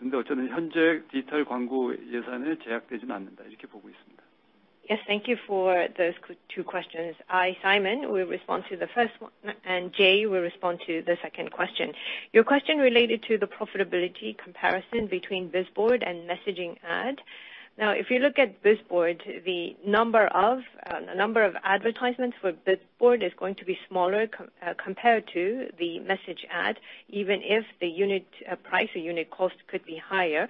Thank you for those two questions. I, Simon, will respond to the first one, and Jay will respond to the second question. Your question related to the profitability comparison between Bizboard and messaging ad. If you look at Bizboard, the number of advertisements for Bizboard is going to be smaller compared to the message ad, even if the unit price or unit cost could be higher.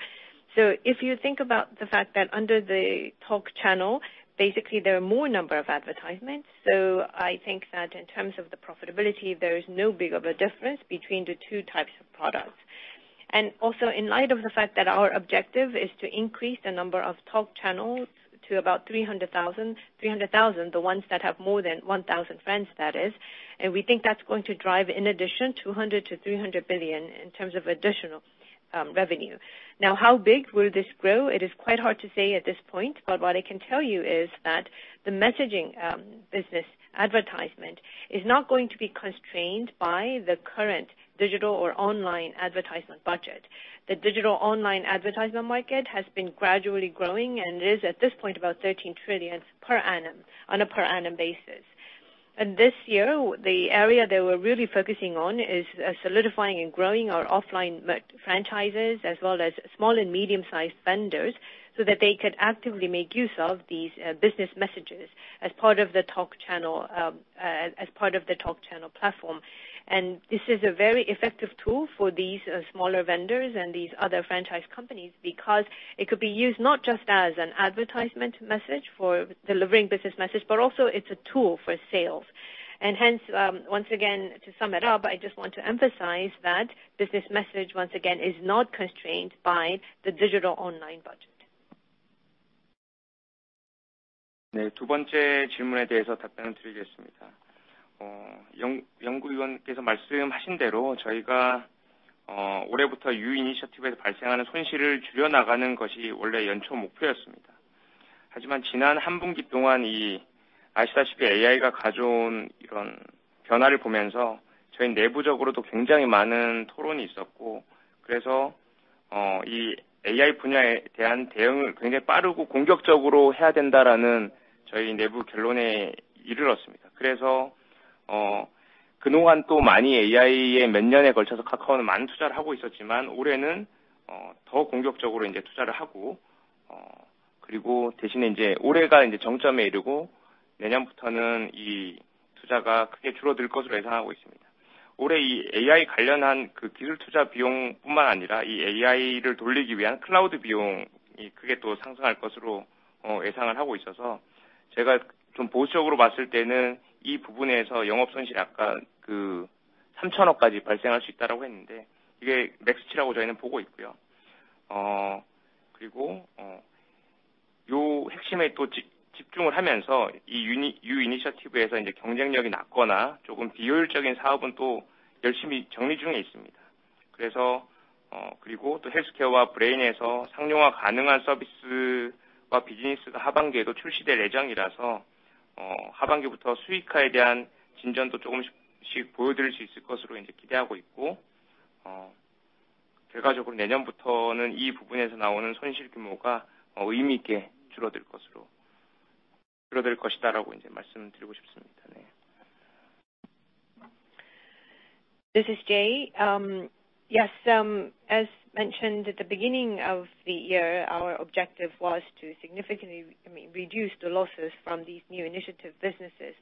If you think about the fact that under the Talk channel, basically there are more number of advertisements, I think that in terms of the profitability, there is no big of a difference between the two types of products. Also in light of the fact that our objective is to increase the number of talk channels to about 300,000, the ones that have more than 1,000 friends, that is. We think that's going to drive, in addition, 200 billion-300 billion in terms of additional revenue. How big will this grow? It is quite hard to say at this point, but what I can tell you is that the messaging business advertisement is not going to be constrained by the current digital or online advertisement budget. The digital online advertisement market has been gradually growing, and it is at this point about 13 trillion per annum, on a per annum basis. This year, the area that we're really focusing on is solidifying and growing our offline franchises as well as small and medium-sized vendors, so that they could actively make use of these business messages as part of the Talk Channel platform. This is a very effective tool for these smaller vendors and these other franchise companies because it could be used not just as an advertisement message for delivering business message, but also it's a tool for sales. Hence, once again, to sum it up, I just want to emphasize that business message, once again, is not constrained by the digital online budget. This is Jay. Yes, as mentioned at the beginning of the year, our objective was to significantly, I mean, reduce the losses from these new initiative businesses.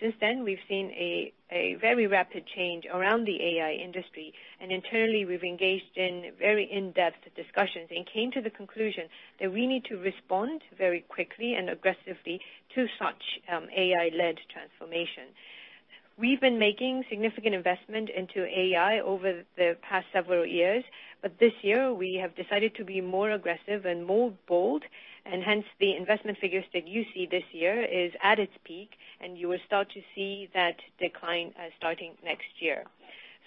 Since then, we've seen a very rapid change around the AI industry, and internally we've engaged in very in-depth discussions and came to the conclusion that we need to respond very quickly and aggressively to such AI-led transformation. We've been making significant investment into AI over the past several years, but this year we have decided to be more aggressive and more bold, and hence the investment figures that you see this year is at its peak, and you will start to see that decline starting next year.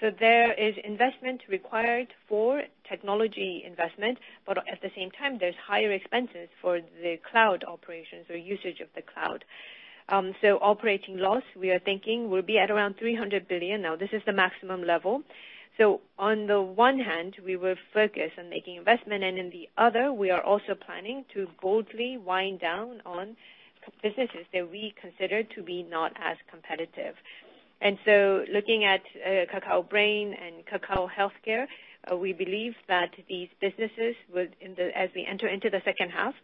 There is investment required for technology investment, but at the same time, there's higher expenses for the cloud operations or usage of the cloud. Operating loss we are thinking will be at around 300 billion. Now, this is the maximum level. On the one hand, we will focus on making investment, and in the other, we are also planning to boldly wind down on businesses that we consider to be not as competitive. Looking at Kakao Brain and Kakao Healthcare, we believe that these businesses will, as we enter into the second half,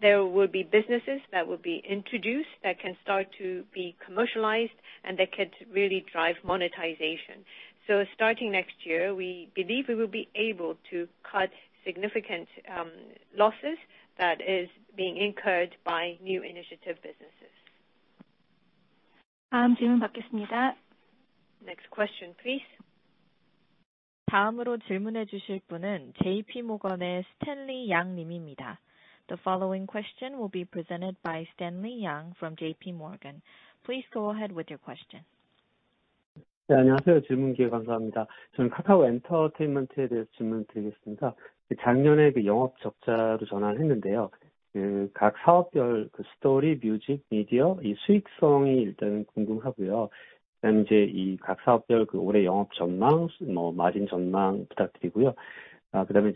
there will be businesses that will be introduced that can start to be commercialized and that could really drive monetization. Starting next year, we believe we will be able to cut significant losses that is being incurred by new initiative businesses. Next question, please. The following question will be presented by Stanley Yang from J.P. Morgan. Please go ahead with your question. Thank you.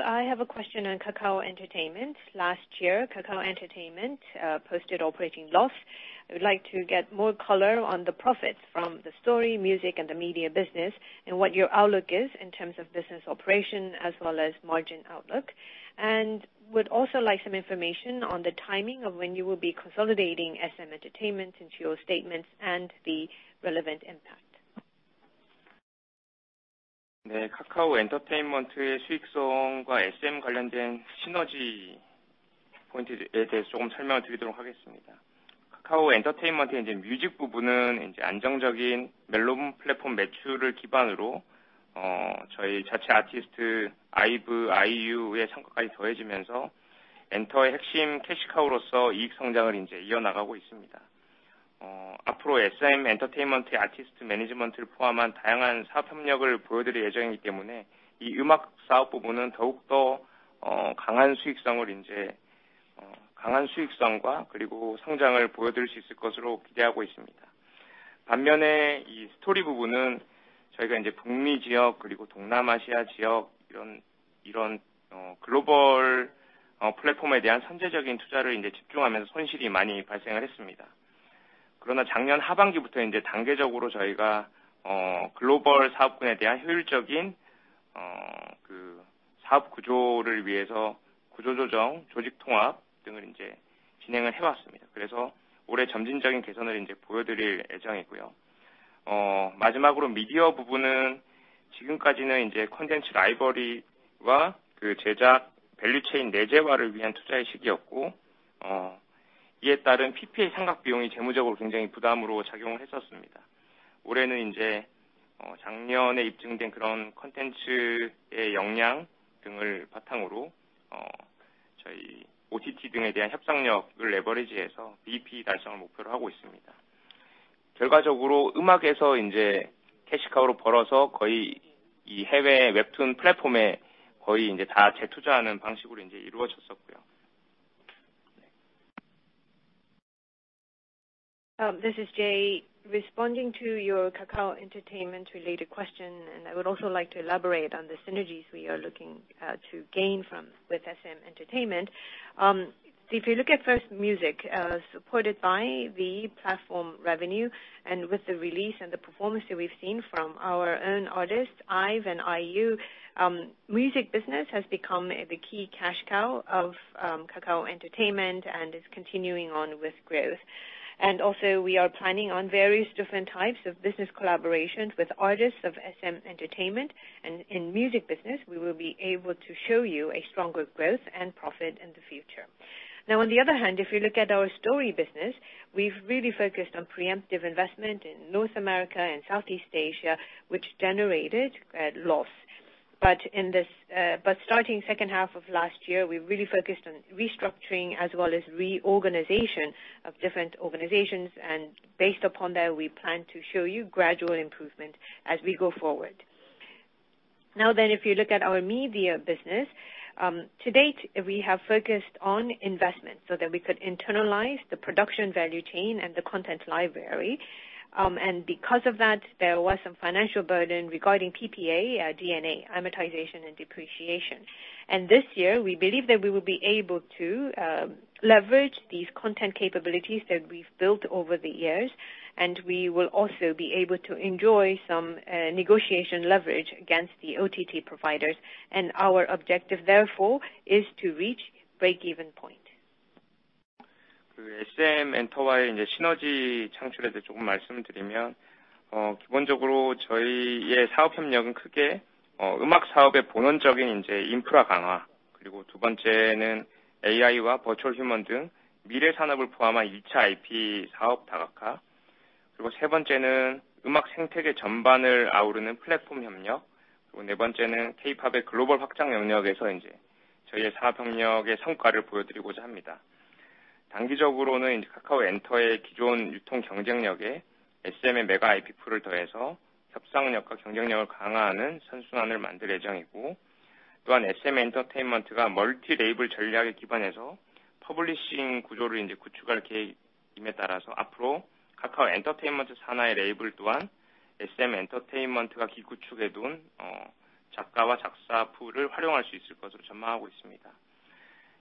I have a question on Kakao Entertainment. Last year, Kakao Entertainment posted operating loss. I would like to get more color on the profits from the story, music, and the media business, and what your outlook is in terms of business operation as well as margin outlook. Would also like some information on the timing of when you will be consolidating SM Entertainment into your statements and the relevant impact. 네, Kakao Entertainment의 수익성과 SM 관련된 시너지 포인트에 대해서 조금 설명을 드리도록 하겠습니다. Kakao Entertainment의 이제 Music 부분은 이제 안정적인 멜론 플랫폼 매출을 기반으로 어, 저희 자체 아티스트 IVE, IU의 성과까지 더해지면서 엔터의 핵심 캐시카우로서 이익 성장을 이제 이어나가고 있습니다. 어, 앞으로 SM Entertainment의 아티스트 매니지먼트를 포함한 다양한 사업 협력을 보여드릴 예정이기 때문에 이 음악 사업 부분은 더욱더 어, 강한 수익성을 이제 어, 강한 수익성과 그리고 성장을 보여드릴 수 있을 것으로 기대하고 있습니다. 반면에 이 스토리 부분은 저희가 이제 북미 지역 그리고 동남아시아 지역 이런, 이런 어, 글로벌 어, 플랫폼에 대한 선제적인 투자를 이제 집중하면서 손실이 많이 발생을 했습니다. 그러나 작년 하반기부터 이제 단계적으로 저희가 어, 글로벌 사업분에 대한 효율적인 어, 그, 사업 구조를 위해서 구조조정, 조직 통합 등을 이제 진행을 해왔습니다. 그래서 올해 점진적인 개선을 이제 보여드릴 예정이고요. 마지막으로 미디어 부분은 지금까지는 이제 콘텐츠 라이브러리와 그 제작 밸류체인 내재화를 위한 투자의 시기였고, 이에 따른 PPA 상각비용이 재무적으로 굉장히 부담으로 작용을 했었습니다. 올해는 이제 작년에 입증된 그런 콘텐츠의 역량 등을 바탕으로 저희 OTT 등에 대한 협상력을 레버리지해서 BEP 달성을 목표로 하고 있습니다. 결과적으로 음악에서 이제 캐시카우로 벌어서 거의 이 해외의 웹툰 플랫폼에 거의 이제 다 재투자하는 방식으로 이제 이루어졌었고요. This is Jay responding to your Kakao Entertainment related question, and I would also like to elaborate on the synergies we are looking to gain from with SM Entertainment. If you look at first music, supported by the platform revenue and with the release and the performance that we've seen from our own artists, IVE and IU, music business has become the key cash cow of Kakao Entertainment and is continuing on with growth. We are planning on various different types of business collaborations with artists of SM Entertainment. In music business, we will be able to show you a stronger growth and profit in the future. On the other hand, if you look at our story business, we've really focused on preemptive investment in North America and Southeast Asia, which generated a loss. In this, starting second half of last year, we really focused on restructuring as well as reorganization of different organizations. Based upon that, we plan to show you gradual improvement as we go forward. If you look at our media business, to date, we have focused on investment so that we could internalize the production value chain and the content library. Because of that, there was some financial burden regarding PPA, D&A amortization and depreciation. This year we believe that we will be able to leverage these content capabilities that we've built over the years, and we will also be able to enjoy some negotiation leverage against the OTT providers. Our objective, therefore, is to reach break-even point. SM 엔터와의 이제 시너지 창출에 대해 조금 말씀을 드리면, 기본적으로 저희의 사업 협력은 크게 음악 사업의 본원적인 이제 인프라 강화, 그리고 두 번째는 AI와 Virtual Human 등 미래 산업을 포함한 이차 IP 사업 다각화, 그리고 세 번째는 음악 생태계 전반을 아우르는 플랫폼 협력, 그리고 네 번째는 K-pop의 글로벌 확장 영역에서 이제 저희의 사업 역량의 성과를 보여드리고자 합니다. 단기적으로는 이제 Kakao Enter의 기존 유통 경쟁력에 SM의 Mega IP Pool을 더해서 협상력과 경쟁력을 강화하는 선순환을 만들 예정이고, SM Entertainment가 Multi-Label 전략에 기반해서 퍼블리싱 구조를 이제 구축할 계획임에 따라서, 앞으로 Kakao Entertainment 사내 Label 또한 SM Entertainment가 기구축해 둔 작가와 작사 Pool을 활용할 수 있을 것으로 전망하고 있습니다.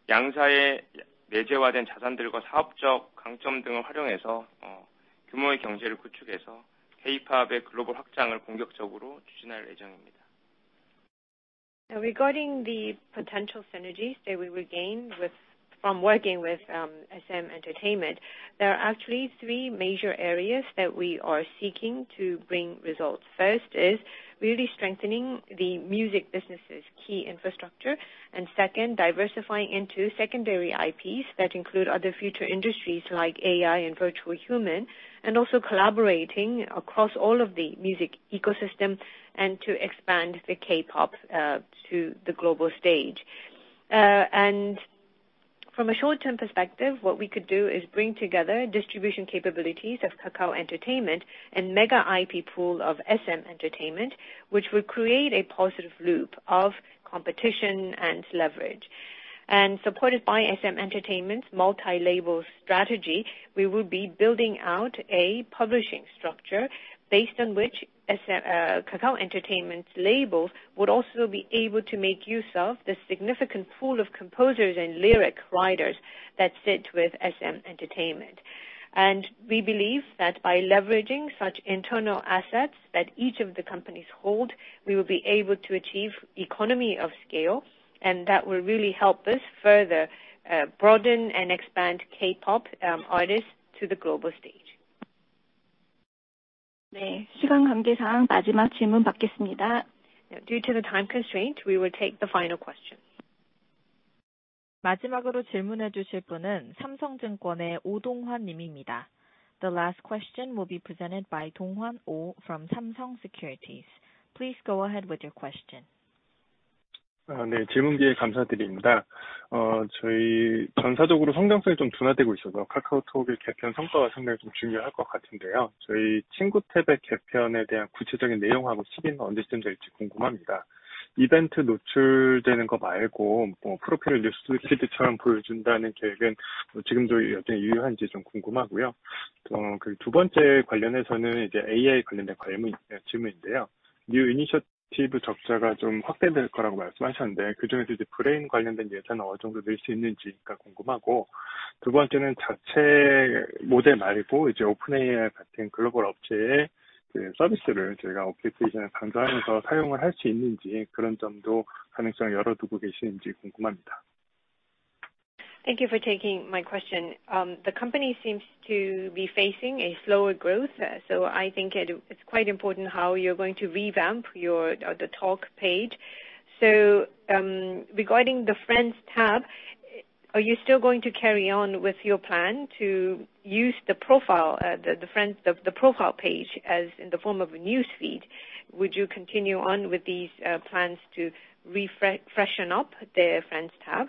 양사의 내재화된 자산들과 사업적 강점 등을 활용해서 규모의 경제를 구축해서 K-pop의 글로벌 확장을 공격적으로 추진할 예정입니다. Regarding the potential synergies that we will gain from working with SM Entertainment, there are actually three major areas that we are seeking to bring results. First is really strengthening the music business' key infrastructure, and second, diversifying into secondary IPs that include other future industries like AI and Virtual Human, and also collaborating across all of the music ecosystem and to expand the K-pop to the global stage. From a short-term perspective, what we could do is bring together distribution capabilities of Kakao Entertainment and Mega IP Pool of SM Entertainment, which will create a positive loop of competition and leverage. Supported by SM Entertainment's multi-label strategy, we will be building out a publishing structure based on which SM, Kakao Entertainment's labels would also be able to make use of the significant pool of composers and lyric writers that sit with SM Entertainment. We believe that by leveraging such internal assets that each of the companies hold, we will be able to achieve economy of scale, and that will really help us further broaden and expand K-pop artists to the global stage. 네, 시간 관계상 마지막 질문 받겠습니다. Due to the time constraint, we will take the final question. The last question will be presented by Donghwan Oh from Samsung Securities. Please go ahead with your question. 네. 질문 기회 감사드립니다. 저희 전사적으로 성장성이 좀 둔화되고 있어서 KakaoTalk의 개편 성과가 상당히 좀 중요할 것 같은데요. 저희 친구 탭의 개편에 대한 구체적인 내용하고 시기는 언제쯤 될지 궁금합니다. 이벤트 노출되는 거 말고, 프로필 뉴스피드처럼 보여준다는 계획은 지금도 여전히 유효한지 좀 궁금하고요. 그두 번째 관련해서는 이제 AI 관련된 질문인데요. New Initiative 적자가 좀 확대될 거라고 말씀하셨는데 그중에서 이제 Brain 관련된 예산은 어느 정도 늘수 있는지가 궁금하고, 두 번째는 자체 모델 말고 이제 OpenAI 같은 글로벌 업체의 서비스를 저희가 application에 강제하면서 사용을 할수 있는지, 그런 점도 가능성을 열어두고 계시는지 궁금합니다. Thank you for taking my question. I think it's quite important how you're going to revamp your Talk page. Regarding the Friends tab, are you still going to carry on with your plan to use the profile page as in the form of a newsfeed? Would you continue on with these plans to freshen up the Friends tab?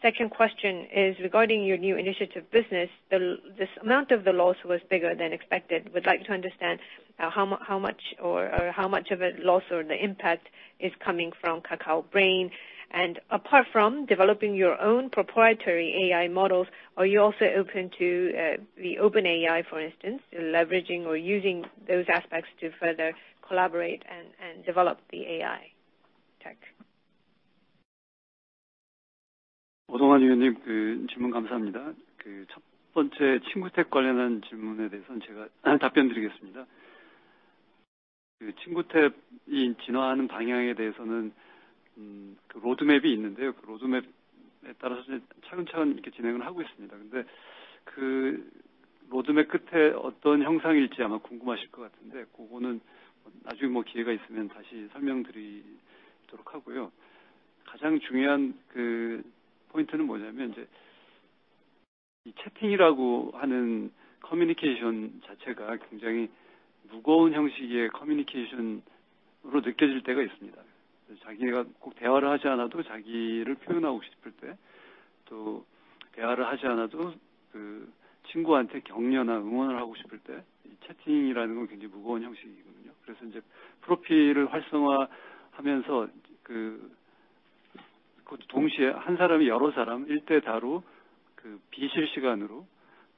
Second question is regarding your new initiative business. This amount of the loss was bigger than expected. Would like to understand how much or how much of it loss or the impact is coming from Kakao Brain? Apart from developing your own proprietary AI models, are you also open to the OpenAI, for instance, leveraging or using those aspects to further collaborate and develop the AI tech? 오동환 위원님, 그, 질문 감사합니다. 그, 첫 번째 친구 탭 관련한 질문에 대해서는 제가 답변드리겠습니다. 그, 친구 탭이 진화하는 방향에 대해서는, 음, 그 로드맵이 있는데요. 그 로드맵에 따라서 차근차근 이렇게 진행을 하고 있습니다. 근데 그 로드맵 끝에 어떤 형상일지 아마 궁금하실 것 같은데 그거는 나중에 뭐 기회가 있으면 다시 설명드리도록 하고요. 가장 중요한, 그, 포인트는 뭐냐면 이제 채팅이라고 하는 커뮤니케이션 자체가 굉장히 무거운 형식의 커뮤니케이션으로 느껴질 때가 있습니다. 그래서 자기가 꼭 대화를 하지 않아도 자기를 표현하고 싶을 때, 또 대화를 하지 않아도, 그, 친구한테 격려나 응원을 하고 싶을 때, 이 채팅이라는 건 굉장히 무거운 형식이거든요. 그래서 이제 프로필을 활성화하면서, 그, 그것도 동시에 한 사람이 여러 사람 일대 다로, 그, 비실시간으로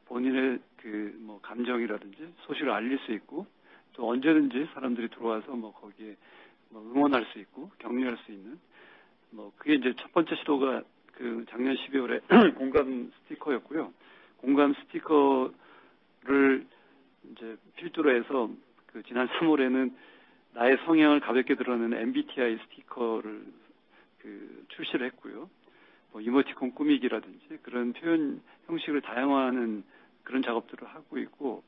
본인의, 그, 뭐, 감정이라든지 소식을 알릴 수 있고, 또 언제든지 사람들이 들어와서, 뭐, 거기에, 뭐, 응원할 수 있고 격려할 수 있는, 뭐, 그게 이제 첫 번째 시도가, 그, 작년 12월에 공감 스티커였고요. 공감 스티커를 이제 필두로 해서 지난 March에는 나의 성향을 가볍게 드러내는 MBTI 스티커를 출시를 했고요. 이모티콘 꾸미기라든지 그런 표현 형식을 다양화하는 그런 작업들을 하고 있고,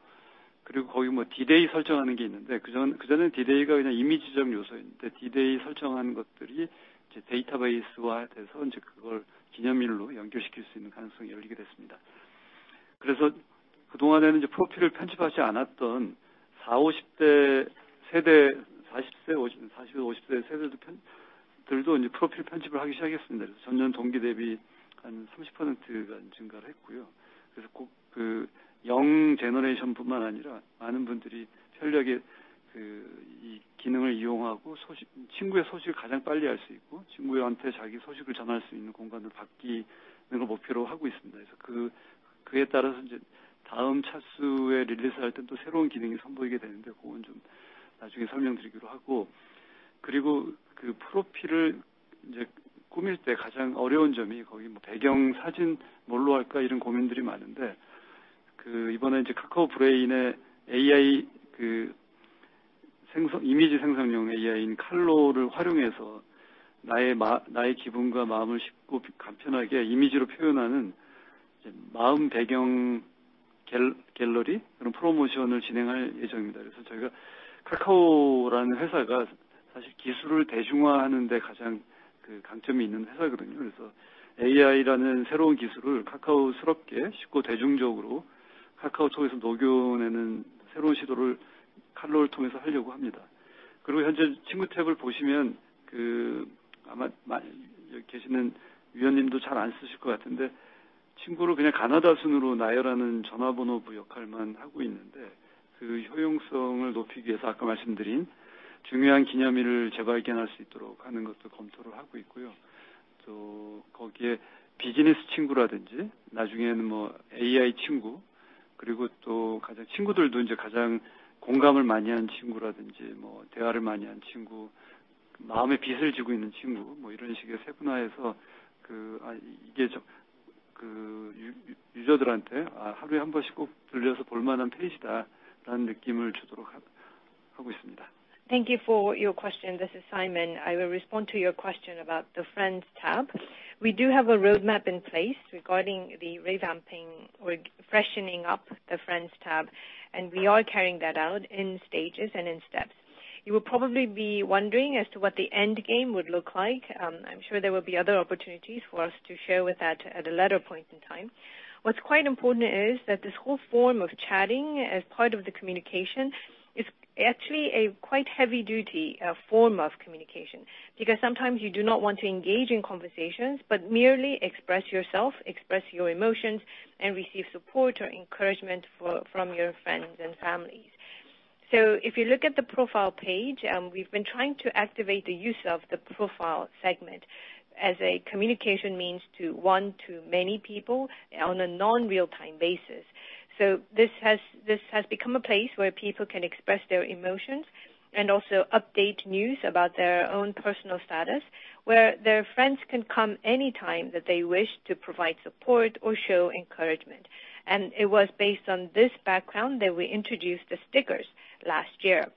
그리고 거의 D-Day 설정하는 게 있는데 그전에는 D-Day가 그냥 이미지적 요소였는데 D-Day 설정한 것들이 이제 데이터베이스화 돼서 이제 그걸 기념일로 연결시킬 수 있는 가능성이 열리게 됐습니다. 그동안에는 이제 프로필을 편집하지 않았던 40, 50세대들도 이제 프로필 편집을 하기 시작했습니다. 전년 동기 대비 한 30%가 증가를 했고요. 꼭 young generation뿐만 아니라 많은 분들이 현력의 이 기능을 이용하고 소식, 친구의 소식을 가장 빨리 알수 있고, 친구한테 자기 소식을 전할 수 있는 공간으로 바뀌는 걸 목표로 하고 있습니다. 그에 따라서 이제 다음 차수에 release할 때는 또 새로운 기능을 선보이게 되는데 그건 좀 나중에 설명드리기로 하고. 그 프로필을 이제 꾸밀 때 가장 어려운 점이 거기 뭐 배경 사진 뭘로 할까, 이런 고민들이 많은데, 이번에 이제 Kakao Brain의 AI, 이미지 생성용 AI인 Karlo를 활용해서 나의 마음, 나의 기분과 마음을 쉽고 간편하게 이미지로 표현하는, 이제 마음 배경 갤러리 그런 프로모션을 진행할 예정입니다. 저희가 Kakao라는 회사가 사실 기술을 대중화하는 데 가장 강점이 있는 회사거든요. AI라는 새로운 기술을 카카오스럽게 쉽고 대중적으로 KakaoTalk에서 녹여내는 새로운 시도를 Karlo를 통해서 하려고 합니다. 현재 친구 탭을 보시면, 아마 여기 계시는 위원님도 잘안 쓰실 것 같은데 친구를 그냥 가나다 순으로 나열하는 전화번호부 역할만 하고 있는데, 그 효용성을 높이기 위해서 아까 말씀드린 중요한 기념일을 재발견할 수 있도록 하는 것도 검토를 하고 있고요. 또 거기에 비즈니스 친구라든지 나중에는 뭐 AI 친구, 그리고 또 가장 친구들도 이제 가장 공감을 많이 하는 친구라든지, 뭐, 대화를 많이 하는 친구, 마음에 빚을 지고 있는 친구, 뭐, 이런 식의 세분화해서, 이게 유저들한테 하루에 한 번씩 꼭 들러서 볼 만한 페이지다라는 느낌을 주도록 하고 있습니다. Thank you for your question. This is Simon. I will respond to your question about the friends tab. We do have a roadmap in place regarding the revamping or freshening up the friends tab. We are carrying that out in stages and in steps. You will probably be wondering as to what the end game would look like. I'm sure there will be other opportunities for us to share with that at a later point in time. What's quite important is that this whole form of chatting as part of the communication is actually a quite heavy duty form of communication because sometimes you do not want to engage in conversations, but merely express yourself, express your emotions, and receive support or encouragement from your friends and families. If you look at the profile page, we've been trying to activate the use of the profile segment as a communication means to one to many people on a non-real time basis. This has become a place where people can express their emotions and also update news about their own personal status, where their friends can come anytime that they wish to provide support or show encouragement. It was based on this background that we introduced the stickers last year.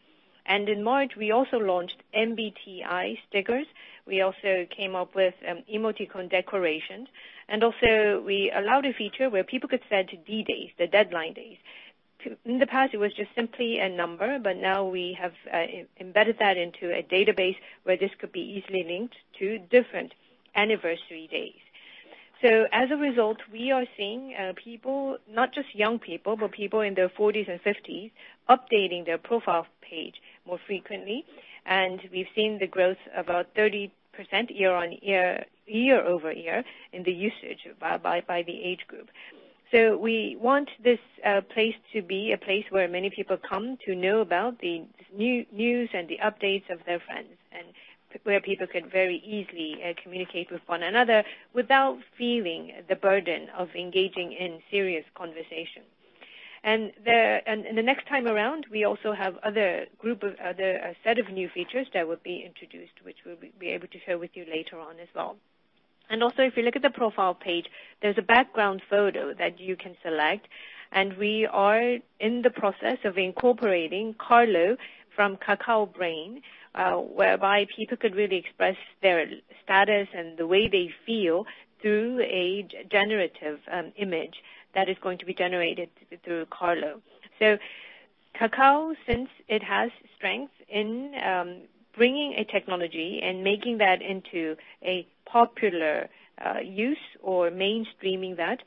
In March, we also launched MBTI stickers. We also came up with emoticon decorations, and also we allowed a feature where people could set D-Days, the deadline days. In the past, it was just simply a number, but now we have embedded that into a database where this could be easily linked to different anniversary days. As a result, we are seeing people, not just young people, but people in their 40s and 50s updating their profile page more frequently. We've seen the growth about 30% year-on-year, year-over-year in the usage by the age group. We want this place to be a place where many people come to know about the new, news and the updates of their friends and where people could very easily communicate with one another without feeling the burden of engaging in serious conversation. The next time around, we also have a set of new features that will be introduced, which we'll be able to share with you later on as well. If you look at the profile page, there's a background photo that you can select, and we are in the process of incorporating Karlo from Kakao Brain, whereby people could really express their status and the way they feel through a generative image that is going to be generated through Karlo. Kakao, since it has strength in bringing a technology and making that into a popular use or mainstreaming that,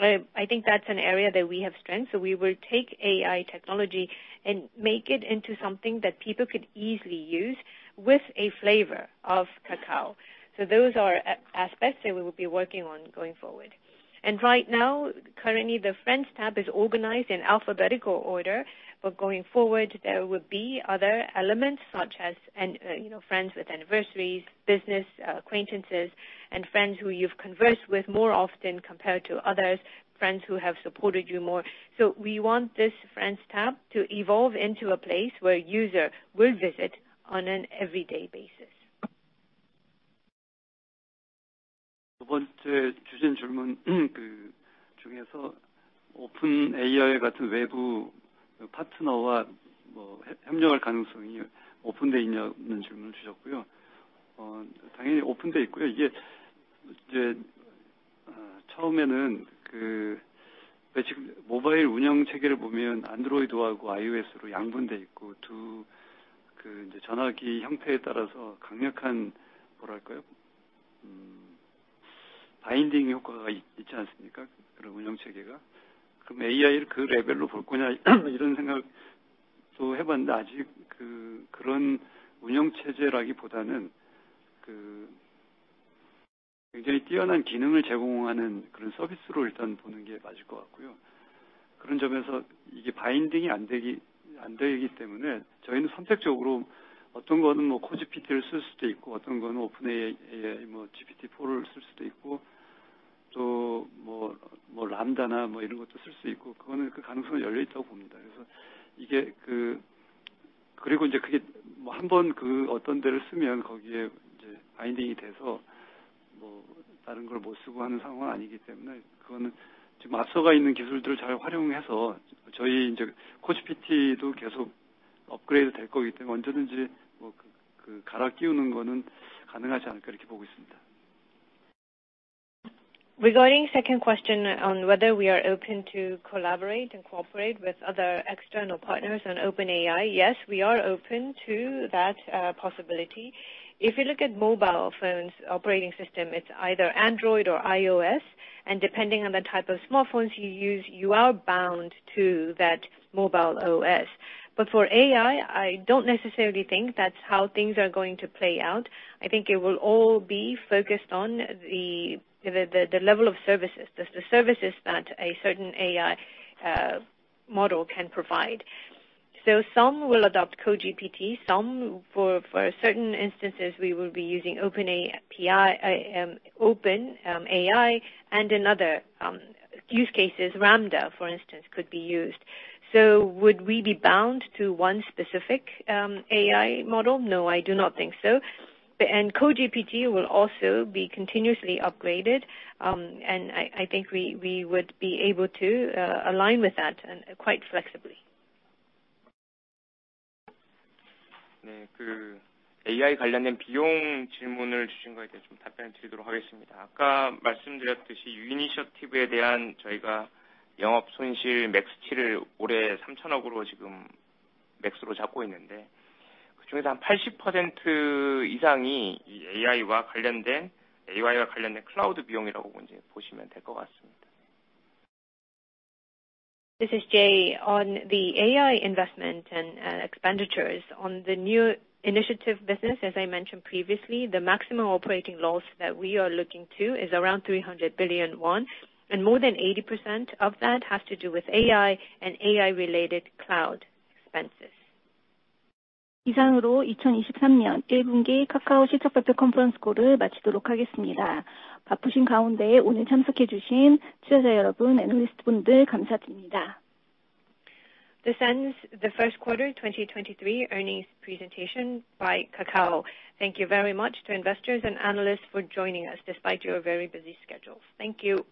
I think that's an area that we have strength. We will take AI technology and make it into something that people could easily use with a flavor of Kakao. Those are aspects that we will be working on going forward. Right now, currently the Friends tab is organized in alphabetical order, but going forward, there will be other elements such as, you know, friends with anniversaries, business acquaintances and friends who you've conversed with more often compared to others, friends who have supported you more. We want this Friends tab to evolve into a place where user will visit on an everyday basis. Regarding second question on whether we are open to collaborate and cooperate with other external partners on OpenAI, yes, we are open to that possibility. If you look at mobile phones operating system, it's either Android or iOS. Depending on the type of smartphones you use, you are bound to that mobile OS. For AI, I don't necessarily think that's how things are going to play out. I think it will all be focused on the level of services, the services that a certain AI model can provide. Some will adopt KoGPT, some for certain instances, we will be using open API, OpenAI, and another use cases, LaMDA, for instance, could be used. Would we be bound to one specific AI model? No, I do not think so. KoGPT will also be continuously upgraded, and I think we would be able to align with that and quite flexibly. This is Jay. On the AI investment and expenditures on the new initiative business, as I mentioned previously, the maximum operating loss that we are looking to is around 300 billion won, and more than 80% of that has to do with AI and AI related cloud expenses. This ends the first quarter 2023 earnings presentation by Kakao. Thank you very much to investors and analysts for joining us despite your very busy schedule. Thank you.